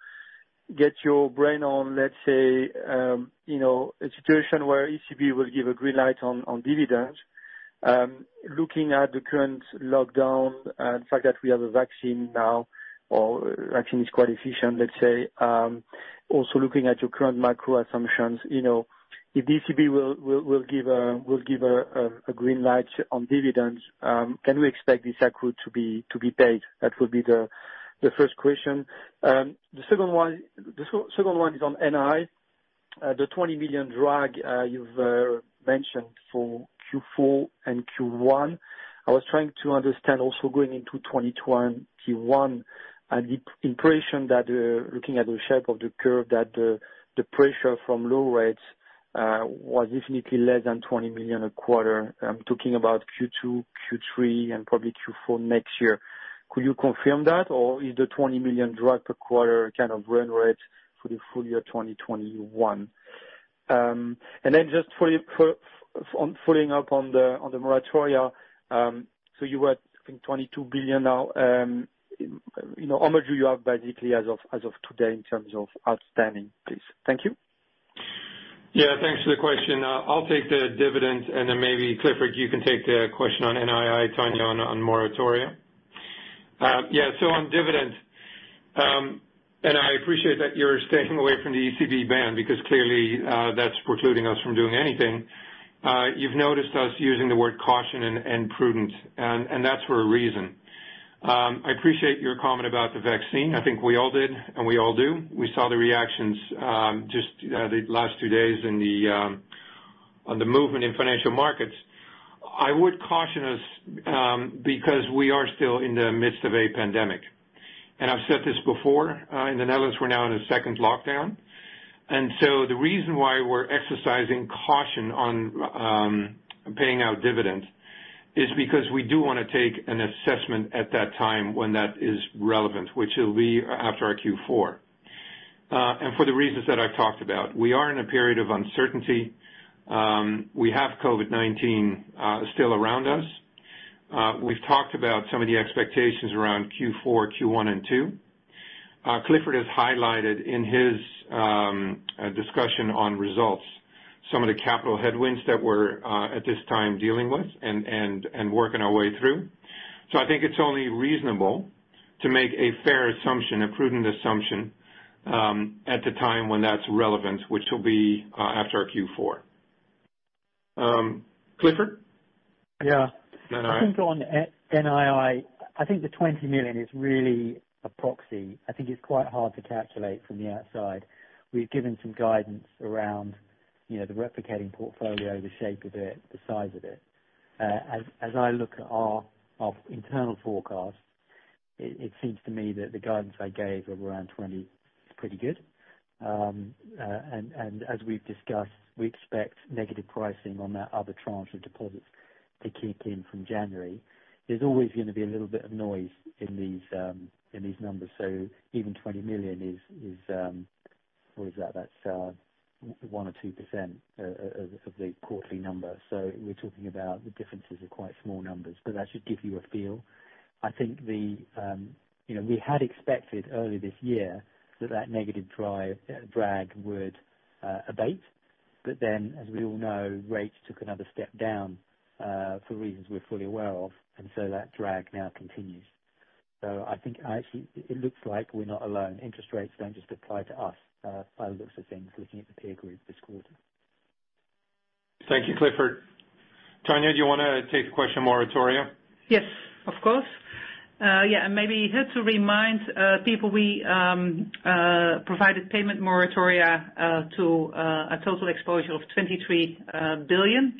get your brain on, let's say, a situation where ECB will give a green light on dividends. Looking at the current lockdown and the fact that we have a vaccine now, or vaccine is quite efficient, let's say. Also looking at your current macro assumptions, if ECB will give a green light on dividends, can we expect this accrued to be paid? That would be the first question. The second one is on NII, the 20 million drag you've mentioned for Q4 and Q1. I was trying to understand also going into 2021, Q1, and the impression that looking at the shape of the curve, that the pressure from low rates was definitely less than 20 million a quarter. I'm talking about Q2, Q3, and probably Q4 next year. Could you confirm that, or is the 20 million drag per quarter kind of run rate for the full year 2021? Then just following up on the moratoria. You were, I think, 22 billion now. How much do you have basically as of today in terms of outstanding, please? Thank you. Thanks for the question. I'll take the dividend and then maybe Clifford, you can take the question on NII, Tanja on moratoria. On dividends, I appreciate that you're staying away from the ECB ban, because clearly that's precluding us from doing anything. You've noticed us using the word caution and prudence, that's for a reason. I appreciate your comment about the vaccine. I think we all did, and we all do. We saw the reactions just the last two days on the movement in financial markets. I would caution us, because we are still in the midst of a pandemic. I've said this before, in the Netherlands, we're now in a second lockdown. The reason why we're exercising caution on paying out dividends is because we do want to take an assessment at that time when that is relevant, which will be after our Q4. For the reasons that I've talked about. We are in a period of uncertainty. We have COVID-19 still around us. We've talked about some of the expectations around Q4, Q1, and Q2. Clifford has highlighted in his discussion on results some of the capital headwinds that we're at this time dealing with and working our way through. I think it's only reasonable to make a fair assumption, a prudent assumption, at the time when that's relevant, which will be after our Q4. Clifford? Yeah. NII. I think on NII, I think the 20 million is really a proxy. I think it's quite hard to calculate from the outside. We've given some guidance around the replicating portfolio, the shape of it, the size of it. As I look at our internal forecast, it seems to me that the guidance I gave of around EUR 20 is pretty good. As we've discussed, we expect negative pricing on that other tranche of deposits to kick in from January. There's always going to be a little bit of noise in these numbers. Even 20 million is, what is that? That's 1% or 2% of the quarterly number. We're talking about the differences are quite small numbers, but that should give you a feel. I think we had expected early this year that that negative drag would abate. As we all know, rates took another step down for reasons we're fully aware of, and so that drag now continues. I think it looks like we're not alone. Interest rates don't just apply to us by the looks of things, looking at the peer group this quarter. Thank you, Clifford. Tanja, do you want to take the question on moratoria? Yes, of course. Yeah, maybe here to remind people, we provided payment moratoria to a total exposure of 23 billion.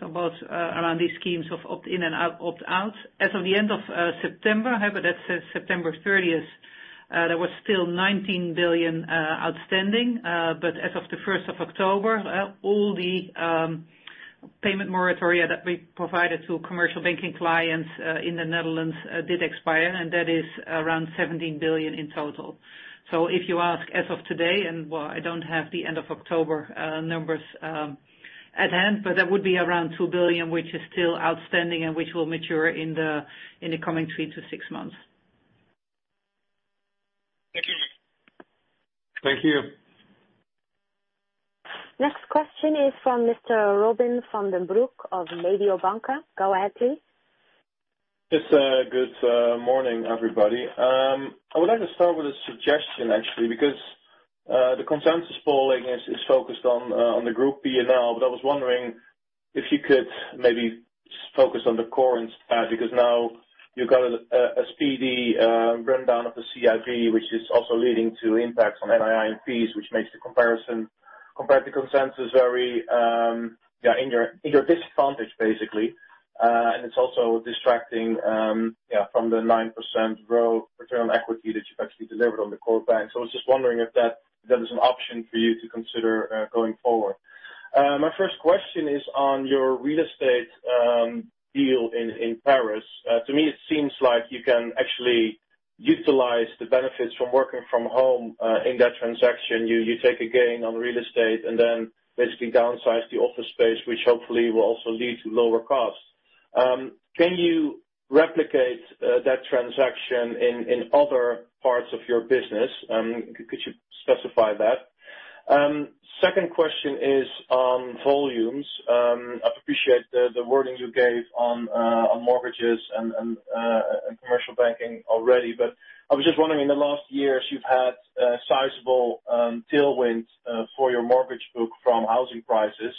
Both around these schemes of opt-in and opt-out. As of the end of September, however, that says September 30th, there was still 19 billion outstanding. As of the 1st of October, all the payment moratoria that we provided to commercial banking clients in the Netherlands did expire, and that is around 17 billion in total. If you ask as of today, and while I don't have the end of October numbers at hand, but that would be around 2 billion, which is still outstanding and which will mature in the coming three to six months. Thank you. Thank you. Next question is from Mr. Robin van den Broek of Mediobanca. Go ahead, please. Yes, good morning, everybody. I would like to start with a suggestion actually, because the consensus polling is focused on the group P&L. I was wondering if you could maybe focus on the core instead, because now you've got a speedy rundown of the CIB, which is also leading to impacts on NII and fees, which makes the comparison compared to consensus very in your disadvantage basically. It's also distracting from the 9% growth return on equity that you've actually delivered on the core bank. I was just wondering if that is an option for you to consider going forward. My first question is on your real estate deal in Paris. To me, it seems like you can actually utilize the benefits from working from home in that transaction. You take a gain on the real estate and then basically downsize the office space, which hopefully will also lead to lower costs. Can you replicate that transaction in other parts of your business? Could you specify that? Second question is on volumes. I appreciate the wording you gave on mortgages and commercial banking already, but I was just wondering, in the last years, you've had a sizable tailwind for your mortgage book from housing prices,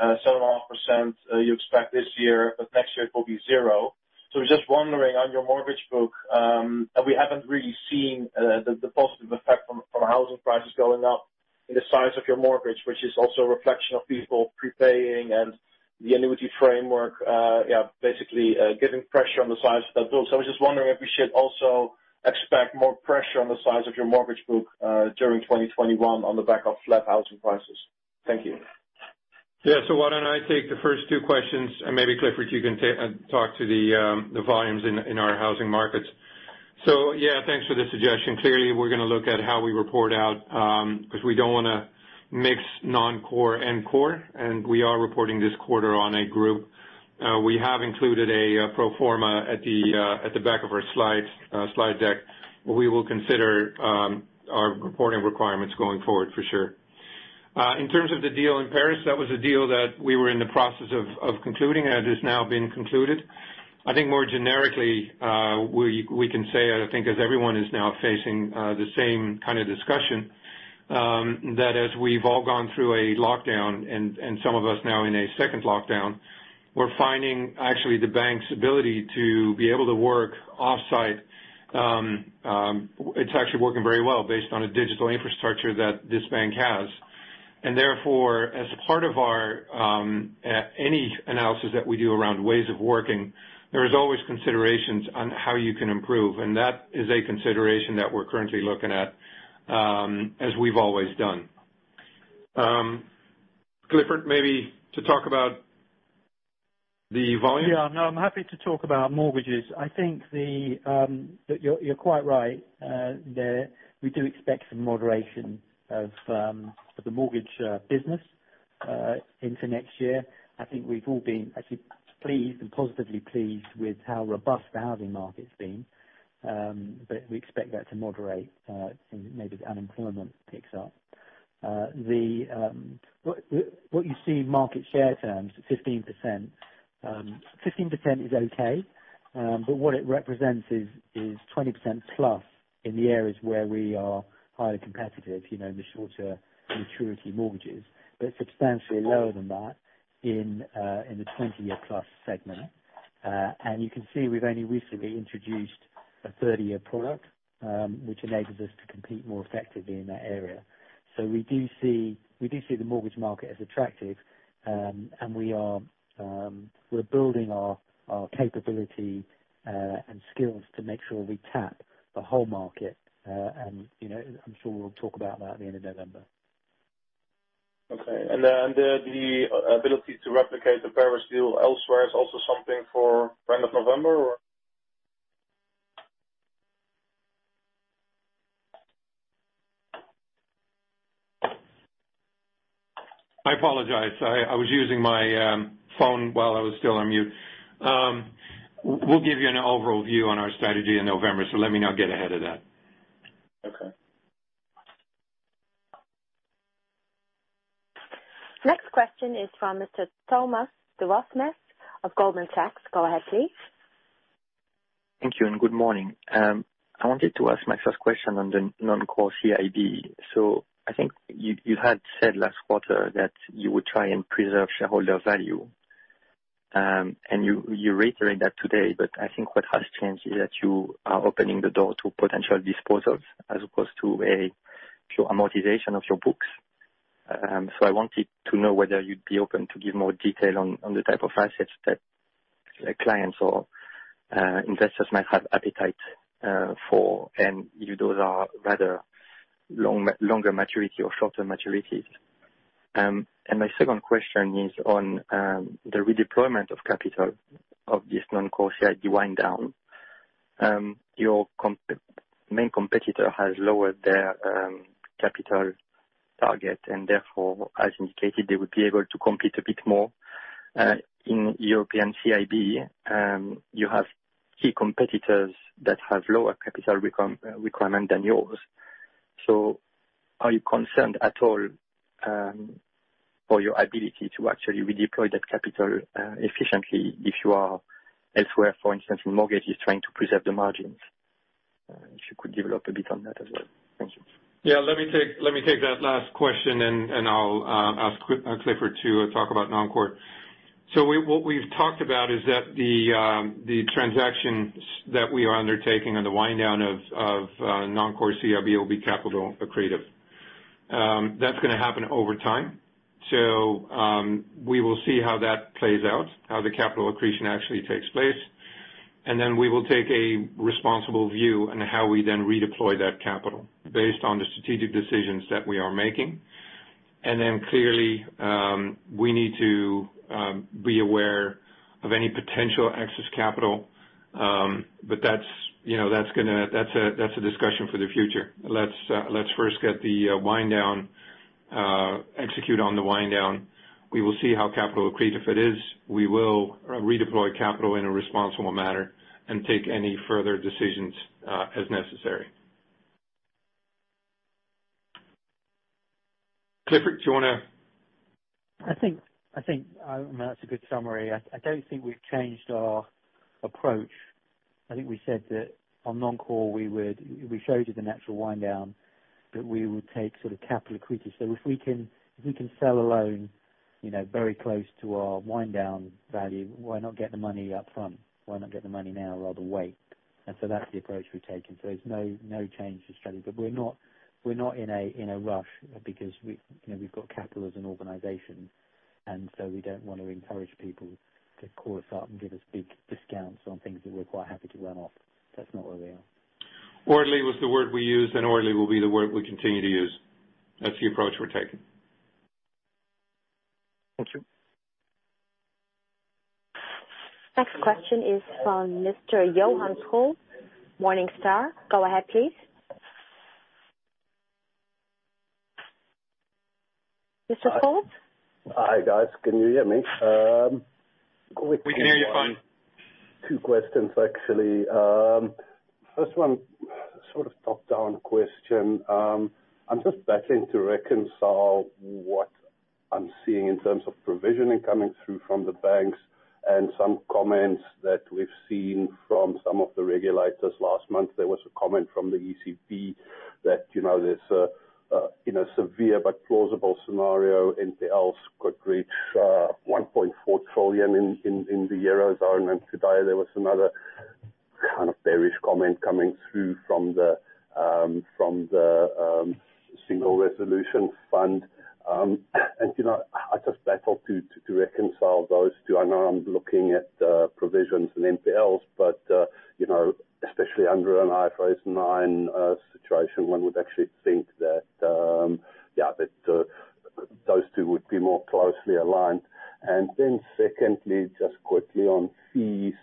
7.5% you expect this year, but next year it will be zero. Just wondering on your mortgage book, and we haven't really seen the positive effect from housing prices going up in the size of your mortgage, which is also a reflection of people prepaying and the annuity framework basically giving pressure on the size of that book. I was just wondering if we should also expect more pressure on the size of your mortgage book during 2021 on the back of flat housing prices. Thank you. Why don't I take the first two questions, and maybe Clifford, you can talk to the volumes in our housing markets. Thanks for the suggestion. Clearly, we're going to look at how we report out, because we don't want to mix non-core and core, and we are reporting this quarter on a group. We have included a pro forma at the back of our slide deck. We will consider our reporting requirements going forward for sure. In terms of the deal in Paris, that was a deal that we were in the process of concluding, and it has now been concluded. I think more generically, we can say, I think as everyone is now facing the same kind of discussion, that as we've all gone through a lockdown and some of us now in a second lockdown, we're finding actually the bank's ability to be able to work off-site. It's actually working very well based on a digital infrastructure that this bank has. Therefore, as part of any analysis that we do around ways of working, there is always considerations on how you can improve, and that is a consideration that we're currently looking at, as we've always done. Clifford, maybe to talk about the volume. Yeah. No, I'm happy to talk about mortgages. I think that you're quite right, that we do expect some moderation of the mortgage business into next year. I think we've all been actually pleased and positively pleased with how robust the housing market's been. We expect that to moderate, as maybe the unemployment picks up. What you see in market share terms, 15%. 15% is okay, but what it represents is 20% plus in the areas where we are highly competitive, in the shorter maturity mortgages, but substantially lower than that in the 20-year plus segment. You can see we've only recently introduced a 30-year product, which enables us to compete more effectively in that area. We do see the mortgage market as attractive, and we're building our capability and skills to make sure we tap the whole market. I'm sure we'll talk about that at the end of November. Okay. The ability to replicate the Paris deal elsewhere is also something for end of November or? I apologize. I was using my phone while I was still on mute. We'll give you an overview on our strategy in November. Let me not get ahead of that. Okay. Next question is from Mr. Thomas Dewasmes of Goldman Sachs. Go ahead, please. Thank you, and good morning. I wanted to ask my first question on the non-core CIB. I think you had said last quarter that you would try and preserve shareholder value. You reiterate that today, but I think what has changed is that you are opening the door to potential disposals as opposed to a pure amortization of your books. I wanted to know whether you'd be open to give more detail on the type of assets that clients or investors might have appetite for, and if those are rather longer maturity or shorter maturities. My second question is on the redeployment of capital of this non-core CIB wind down. Your main competitor has lowered their capital target, and therefore, as indicated, they would be able to compete a bit more. In European CIB, you have key competitors that have lower capital requirement than yours. Are you concerned at all for your ability to actually redeploy that capital efficiently if you are elsewhere, for instance, in mortgages trying to preserve the margins? If you could develop a bit on that as well. Thank you. Yeah. Let me take that last question, and I'll ask Clifford to talk about non-core. What we've talked about is that the transactions that we are undertaking and the wind down of non-core CIB will be capital accretive. That's going to happen over time. We will see how that plays out, how the capital accretion actually takes place, and then we will take a responsible view on how we then redeploy that capital based on the strategic decisions that we are making. Clearly, we need to be aware of any potential excess capital. That's a discussion for the future. Let's first get the wind down, execute on the wind down. We will see how capital accretive it is. We will redeploy capital in a responsible manner and take any further decisions as necessary. Clifford, do you want to I think that's a good summary. I don't think we've changed our approach. I think we said that on non-core We showed you the natural wind down, but we would take sort of capital accretive. If we can sell a loan very close to our wind down value, why not get the money up front? Why not get the money now rather than wait? That's the approach we've taken. There's no change to strategy. We're not in a rush because we've got capital as an organization, and so we don't want to encourage people to call us up and give us big discounts on things that we're quite happy to run off. That's not where we are. Orderly was the word we used, and orderly will be the word we continue to use. That's the approach we're taking. Thank you. Next question is from Mr. Johann Scholtz, Morningstar. Go ahead, please. Mr. Scholtz? Hi, guys. Can you hear me? We can hear you fine. Two questions, actually. First one, sort of top-down question. I'm just battling to reconcile what I'm seeing in terms of provisioning coming through from the banks and some comments that we've seen from some of the regulators. Last month, there was a comment from the ECB that there's a severe but plausible scenario, NPLs could reach 1.4 trillion in the Eurozone. Today there was another kind of bearish comment coming through from the Single Resolution Fund. I just battle to reconcile those two. I know I'm looking at the provisions and NPLs, but especially under an IFRS9 situation, one would actually think that those two would be more closely aligned. Secondly, just quickly on fees.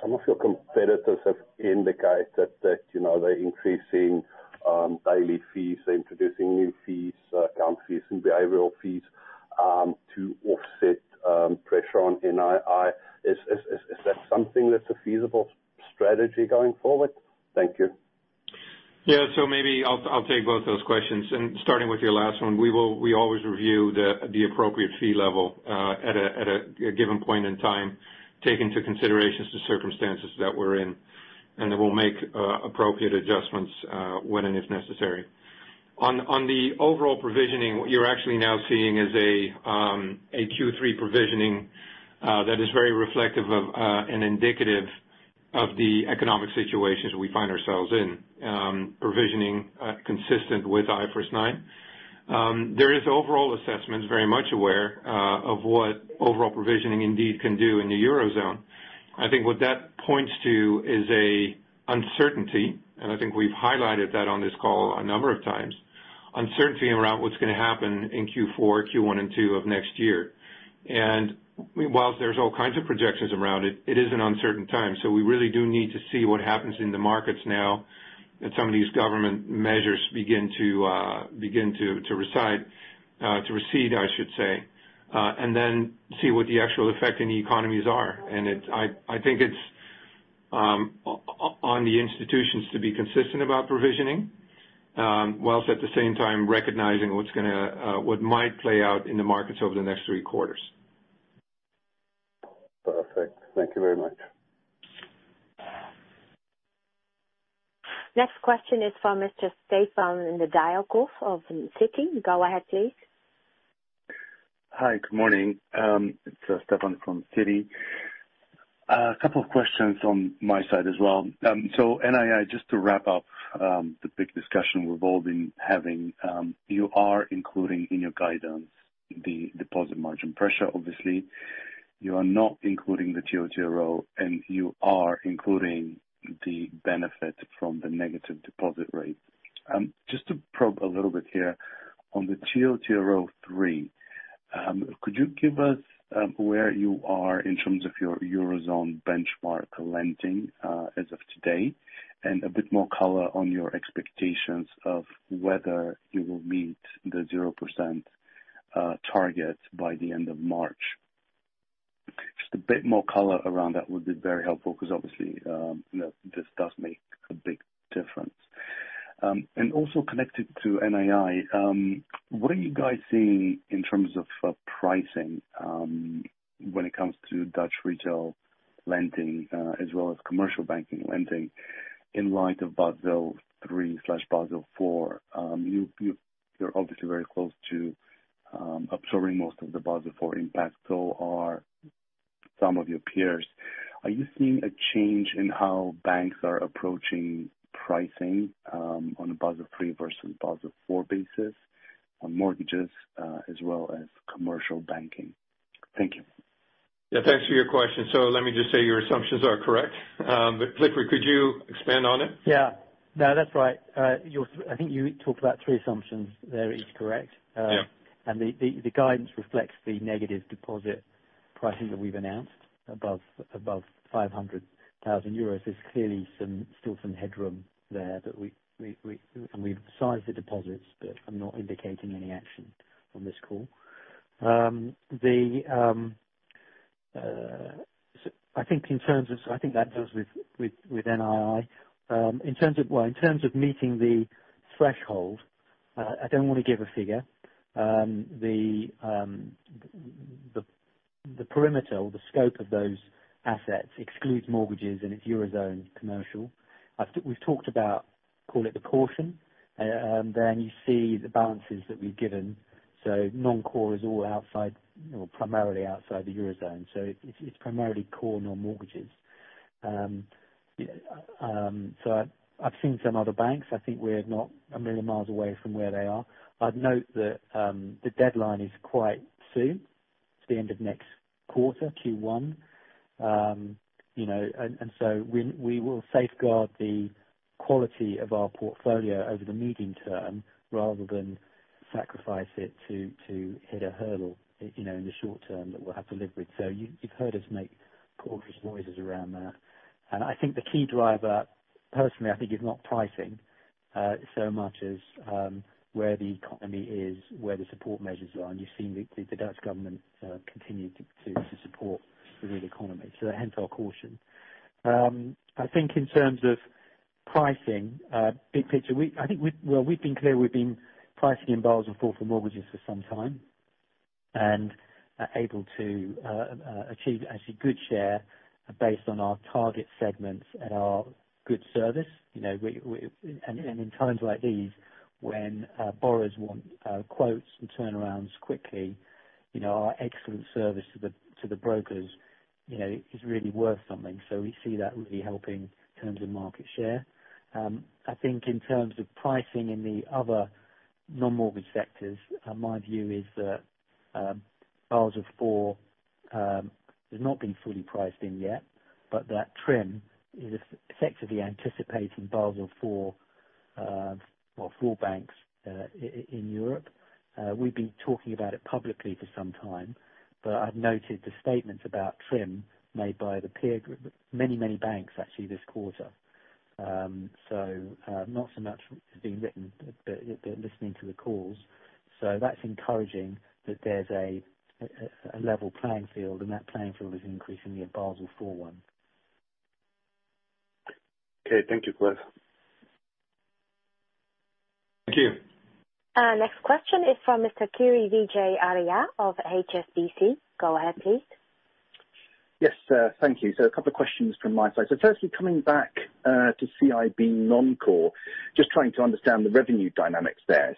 Some of your competitors have indicated that they're increasing daily fees, they're introducing new fees, account fees, and behavioral fees to offset pressure on NII. Is that something that's a feasible strategy going forward? Thank you. Yeah. Maybe I'll take both those questions. Starting with your last one, we always review the appropriate fee level at a given point in time, take into considerations the circumstances that we're in, then we'll make appropriate adjustments when and if necessary. On the overall provisioning, what you're actually now seeing is a Q3 provisioning that is very reflective of and indicative of the economic situations we find ourselves in. Provisioning consistent with IFRS9. There is overall assessment very much aware of what overall provisioning indeed can do in the Eurozone. I think what that points to is a uncertainty, and I think we've highlighted that on this call a number of times. Uncertainty around what's going to happen in Q4, Q1, and Q2 of next year. Whilst there's all kinds of projections around it is an uncertain time. We really do need to see what happens in the markets now that some of these government measures begin to recede. Then see what the actual effect in the economies are. I think it's on the institutions to be consistent about provisioning, whilst at the same time recognizing what might play out in the markets over the next three quarters. Perfect. Thank you very much. Next question is from Mr. Stefan Nedialkov of Citi. Go ahead, please. Hi, good morning. It's Stefan from Citi. A couple of questions on my side as well. NII, just to wrap up the big discussion we've all been having. You are including in your guidance the deposit margin pressure, obviously. You are not including the TLTRO, and you are including the benefit from the negative deposit rate. Just to probe a little bit here, on the TLTRO3, could you give us where you are in terms of your Eurozone benchmark lending as of today, and a bit more color on your expectations of whether you will meet the 0% target by the end of March? Just a bit more color around that would be very helpful because obviously, this does make a big difference. Also connected to NII, what are you guys seeing in terms of pricing when it comes to Dutch retail lending as well as commercial banking lending in light of Basel III/Basel IV? You're obviously very close to absorbing most of the Basel IV impact. So are some of your peers. Are you seeing a change in how banks are approaching pricing on a Basel III versus Basel IV basis on mortgages as well as commercial banking? Thank you. Yeah, thanks for your question. Let me just say your assumptions are correct. Clifford, could you expand on it? No, that's right. I think you talked about three assumptions there, is correct. Yeah. The guidance reflects the negative deposit pricing that we've announced above 500,000 euros. There's clearly still some headroom there, and we've sized the deposits, but I'm not indicating any action on this call. I think that deals with NII. In terms of meeting the threshold, I don't want to give a figure. The perimeter or the scope of those assets excludes mortgages, and it's Eurozone commercial. We've talked about, call it the portion. You see the balances that we've given. Non-core is all outside or primarily outside the Eurozone. It's primarily core non-mortgages. I've seen some other banks. I think we're not a million miles away from where they are. I'd note that the deadline is quite soon. It's the end of next quarter, Q1. We will safeguard the quality of our portfolio over the medium term rather than sacrifice it to hit a hurdle in the short term that we'll have to live with. You've heard us make cautious noises around that. I think the key driver, personally, I think, is not pricing so much as where the economy is, where the support measures are, and you've seen the Dutch government continue to support the real economy. Hence our caution. I think in terms of pricing, big picture, we've been clear, we've been pricing in Basel IV for mortgages for some time and are able to achieve actually good share based on our target segments and our good service. In times like these, when borrowers want quotes and turnarounds quickly, our excellent service to the brokers is really worth something. We see that really helping in terms of market share. I think in terms of pricing in the other non-mortgage sectors, my view is that Basel IV has not been fully priced in yet. That TRIM is effectively anticipating Basel IV for all banks in Europe. We've been talking about it publicly for some time, but I've noted the statements about TRIM made by many, many banks actually this quarter. Not so much being written, but listening to the calls. That's encouraging that there's a level playing field, and that playing field is increasingly a Basel IV one. Okay. Thank you, Cliff. Thank you. Next question is from Mr. Kiri Vijayarajah of HSBC. Go ahead, please. Yes, thank you. A couple of questions from my side. Firstly, coming back to CIB non-core. Just trying to understand the revenue dynamics there.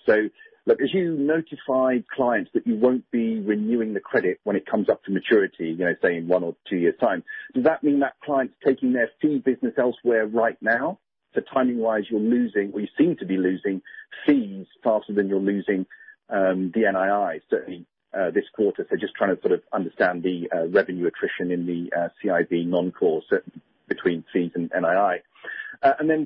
Look, as you notify clients that you won't be renewing the credit when it comes up to maturity, saying one or two years' time, does that mean that clients are taking their fee business elsewhere right now? Timing-wise, you're losing or you seem to be losing fees faster than you're losing the NII, certainly this quarter. Just trying to sort of understand the revenue attrition in the CIB non-core between fees and NII.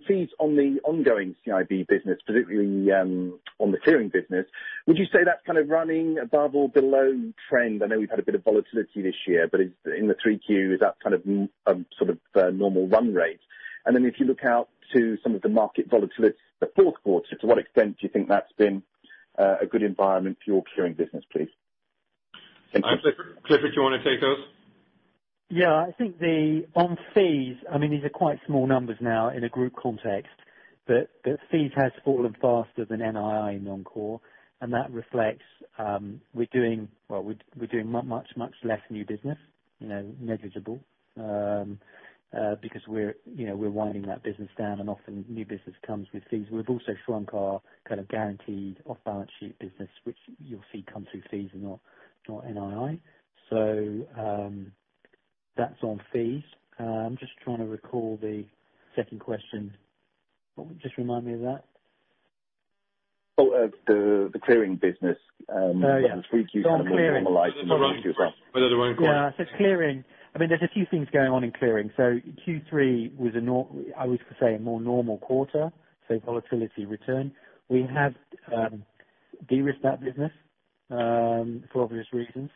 Fees on the ongoing CIB business, particularly on the clearing business. Would you say that's kind of running above or below trend? I know we've had a bit of volatility this year, but in the Q3, is that kind of sort of normal run rate? If you look out to some of the market volatility, the fourth quarter, to what extent do you think that's been a good environment for your clearing business, please? Hi, Clifford. Clifford, do you want to take those? I think on fees, these are quite small numbers now in a group context, but fees has fallen faster than NII non-core, and that reflects we're doing much, much less new business, negligible. Because we're winding that business down, and often new business comes with fees. We've also shrunk our kind of guaranteed off-balance sheet business, which you'll see come through fees and not NII. That's on fees. I'm just trying to recall the second question. Just remind me of that. Oh, the clearing business. Oh, yeah. The fees you earn. On clearing. Was it around fees? Yeah. It's clearing. There's a few things going on in clearing. Q3 was, I would say, a more normal quarter, so volatility return. We have de-risked that business, for obvious reasons.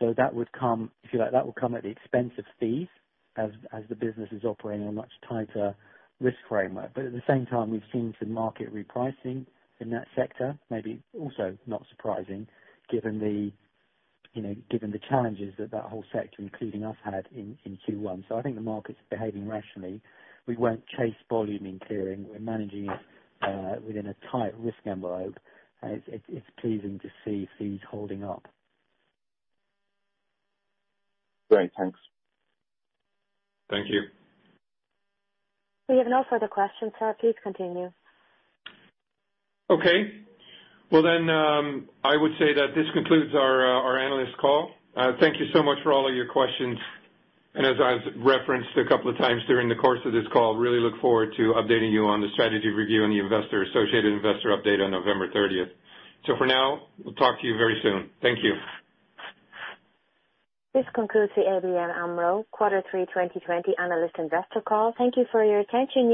That would come at the expense of fees as the business is operating on a much tighter risk framework. At the same time, we've seen some market repricing in that sector, maybe also not surprising given the challenges that that whole sector, including us, had in Q1. I think the market's behaving rationally. We won't chase volume in clearing. We're managing it within a tight risk envelope, and it's pleasing to see fees holding up. Great. Thanks. Thank you. We have no further questions, sir. Please continue. Okay. Well, I would say that this concludes our analyst call. Thank you so much for all of your questions. As I've referenced a couple of times during the course of this call, really look forward to updating you on the strategy review and the associated investor update on November 30th. For now, we'll talk to you very soon. Thank you. This concludes the ABN AMRO quarter 3 2020 analyst investor call. Thank you for your attention.